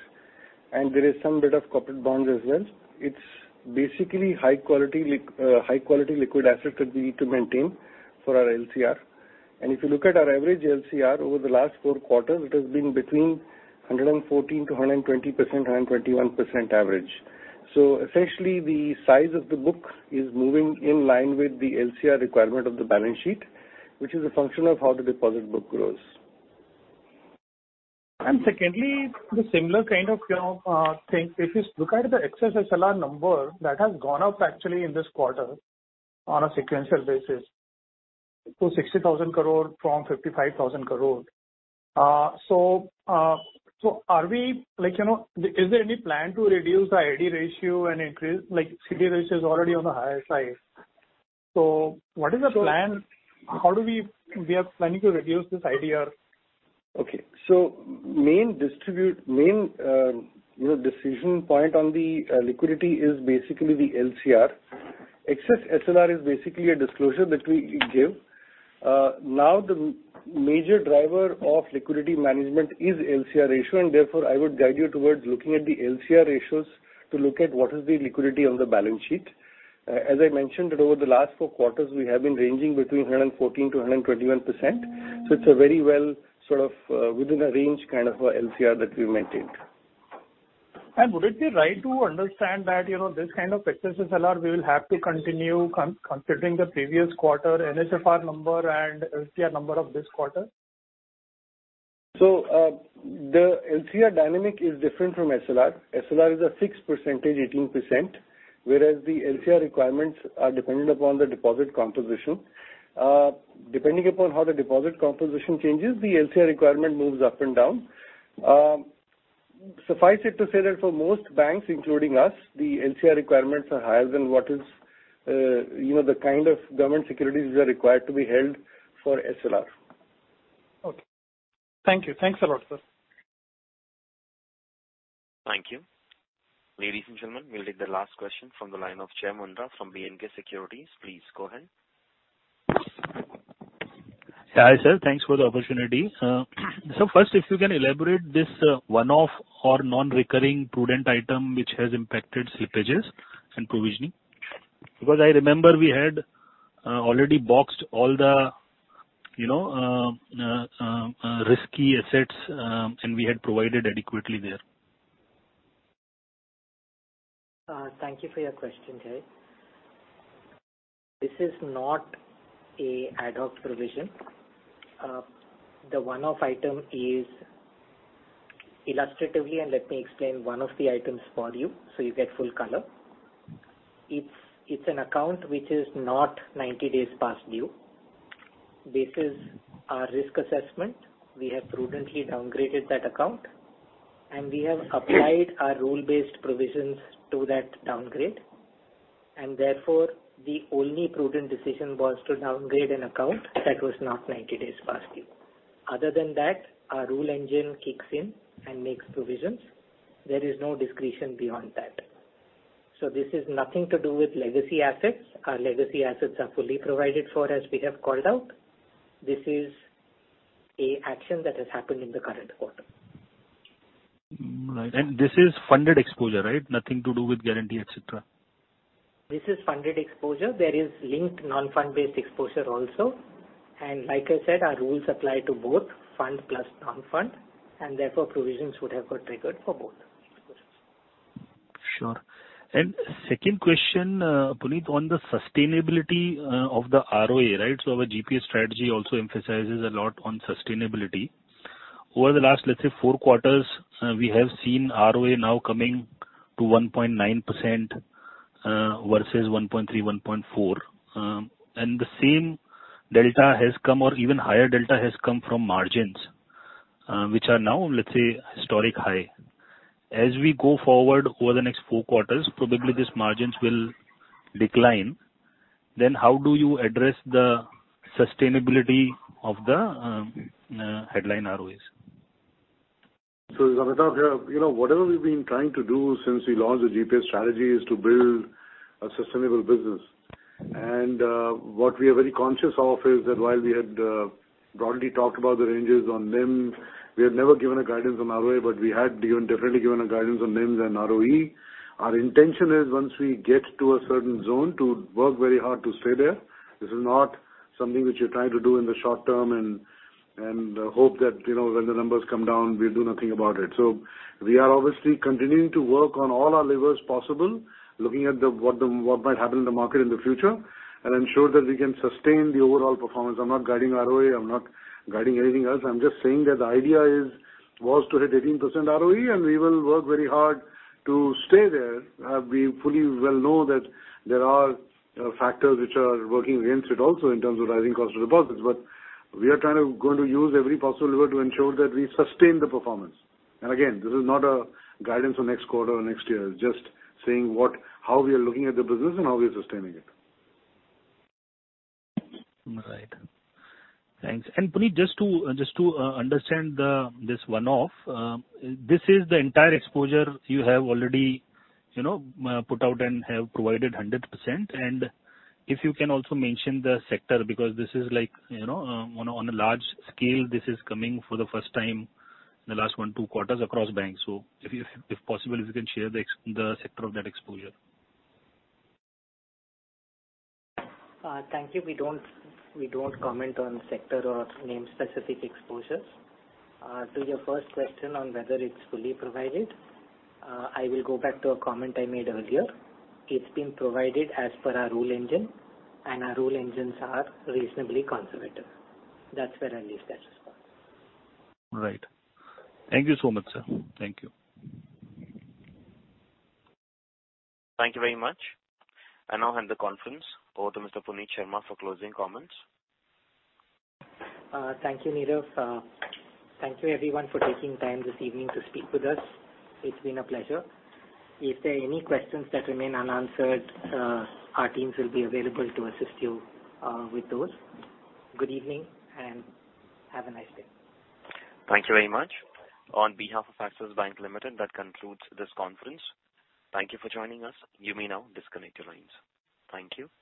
and there is some bit of corporate bonds as well. It's basically high quality liquid assets that we need to maintain for our LCR. If you look at our average LCR over the last four quarters, it has been between 114 to 120%, 121% average. Essentially, the size of the book is moving in line with the LCR requirement of the balance sheet, which is a function of how the deposit book grows. Secondly, the similar kind of, you know, thing. If you look at the excess SLR number that has gone up actually in this quarter on a sequential basis to 60,000 crore from 55,000 crore. Are we, like, you know, is there any plan to reduce the LDR and increase, like CD ratio is already on the higher side. What is the plan? How are we planning to reduce this LDR? Okay. main distribute, main, you know, decision point on the liquidity is basically the LCR. Excess SLR is basically a disclosure that we give. Now the major driver of liquidity management is LCR ratio, and therefore I would guide you towards looking at the LCR ratios to look at what is the liquidity on the balance sheet. As I mentioned, over the last four quarters, we have been ranging between 114%-121%. It's a very well, sort of, within a range kind of a LCR that we maintained. Would it be right to understand that, you know, this kind of excess SLR we will have to continue considering the previous quarter NSFR number and LCR number of this quarter? The LCR dynamic is different from SLR. SLR is a fixed percentage, 18%, whereas the LCR requirements are dependent upon the deposit composition. Depending upon how the deposit composition changes, the LCR requirement moves up and down. Suffice it to say that for most banks, including us, the LCR requirements are higher than what is, you know, the kind of government securities that are required to be held for SLR. Okay. Thank you. Thanks a lot, sir. Thank you. Ladies and gentlemen, we'll take the last question from the line of Jay Mundra from B&K Securities. Please go ahead. Yeah. Hi, sir. Thanks for the opportunity. First, if you can elaborate this, one-off or non-recurring prudent item which has impacted slippages and provisioning. I remember we had already boxed all the, you know, risky assets, and we had provided adequately there. Thank you for your question, Jay. This is not an ad hoc provision. The one-off item is illustratively, and let me explain one of the items for you so you get full color. It's, it's an account which is not 90 days past due. This is our risk assessment. We have prudently downgraded that account, and we have applied our rule-based provisions to that downgrade. Therefore, the only prudent decision was to downgrade an account that was not 90 days past due. Other than that, our rule engine kicks in and makes provisions. There is no discretion beyond that. This is nothing to do with legacy assets. Our legacy assets are fully provided for as we have called out. This is an action that has happened in the current quarter. Right. This is funded exposure, right? Nothing to do with guarantee, et cetera. This is funded exposure. There is linked non-fund-based exposure also. Like I said, our rules apply to both fund plus non-fund, and therefore provisions would have got triggered for both. Sure. Second question, Puneet, on the sustainability of the ROA, right? Our GPS strategy also emphasizes a lot on sustainability. Over the last, let's say, four quarters, we have seen ROA now coming to 1.9% versus 1.3%, 1.4%. The same delta has come or even higher delta has come from margins, which are now, let's say, historic high. We go forward over the next four quarters, probably these margins will decline. How do you address the sustainability of the headline ROAs? Samitabh, you know, whatever we've been trying to do since we launched the GPS strategy is to build a sustainable business. What we are very conscious of is that while we had broadly talked about the ranges on NIM, we had never given a guidance on ROA, but we had given, definitely given a guidance on NIMs and ROE. Our intention is once we get to a certain zone, to work very hard to stay there. This is not something which you're trying to do in the short term and hope that, you know, when the numbers come down, we do nothing about it. We are obviously continuing to work on all our levers possible, looking at what might happen in the market in the future and ensure that we can sustain the overall performance. I'm not guiding ROA, I'm not guiding anything else. I'm just saying that the idea is, was to hit 18% ROE, and we will work very hard to stay there. We fully well know that there are factors which are working against it also in terms of rising cost of deposits. We are going to use every possible lever to ensure that we sustain the performance. Again, this is not a guidance on next quarter or next year. Just saying what, how we are looking at the business and how we are sustaining it. All right. Thanks. Puneet, just to understand the, this one-off, this is the entire exposure you have already, you know, put out and have provided 100%. If you can also mention the sector because this is like, you know, on a large scale, this is coming for the first time in the last 1-2 quarters across banks. If you, if possible, if you can share the sector of that exposure. Thank you. We don't, we don't comment on sector or name specific exposures. To your first question on whether it's fully provided, I will go back to a comment I made earlier. It's been provided as per our rule engine, and our rule engines are reasonably conservative. That's where I'll leave that response. All right. Thank you so much, sir. Thank you. Thank you very much. I now hand the conference over to Mr. Puneet Sharma for closing comments. Thank you, Nirav. Thank you everyone for taking time this evening to speak with us. It's been a pleasure. If there are any questions that remain unanswered, our teams will be available to assist you with those. Good evening, and have a nice day. Thank you very much. On behalf of Axis Bank Limited, that concludes this conference. Thank you for joining us. You may now disconnect your lines. Thank you.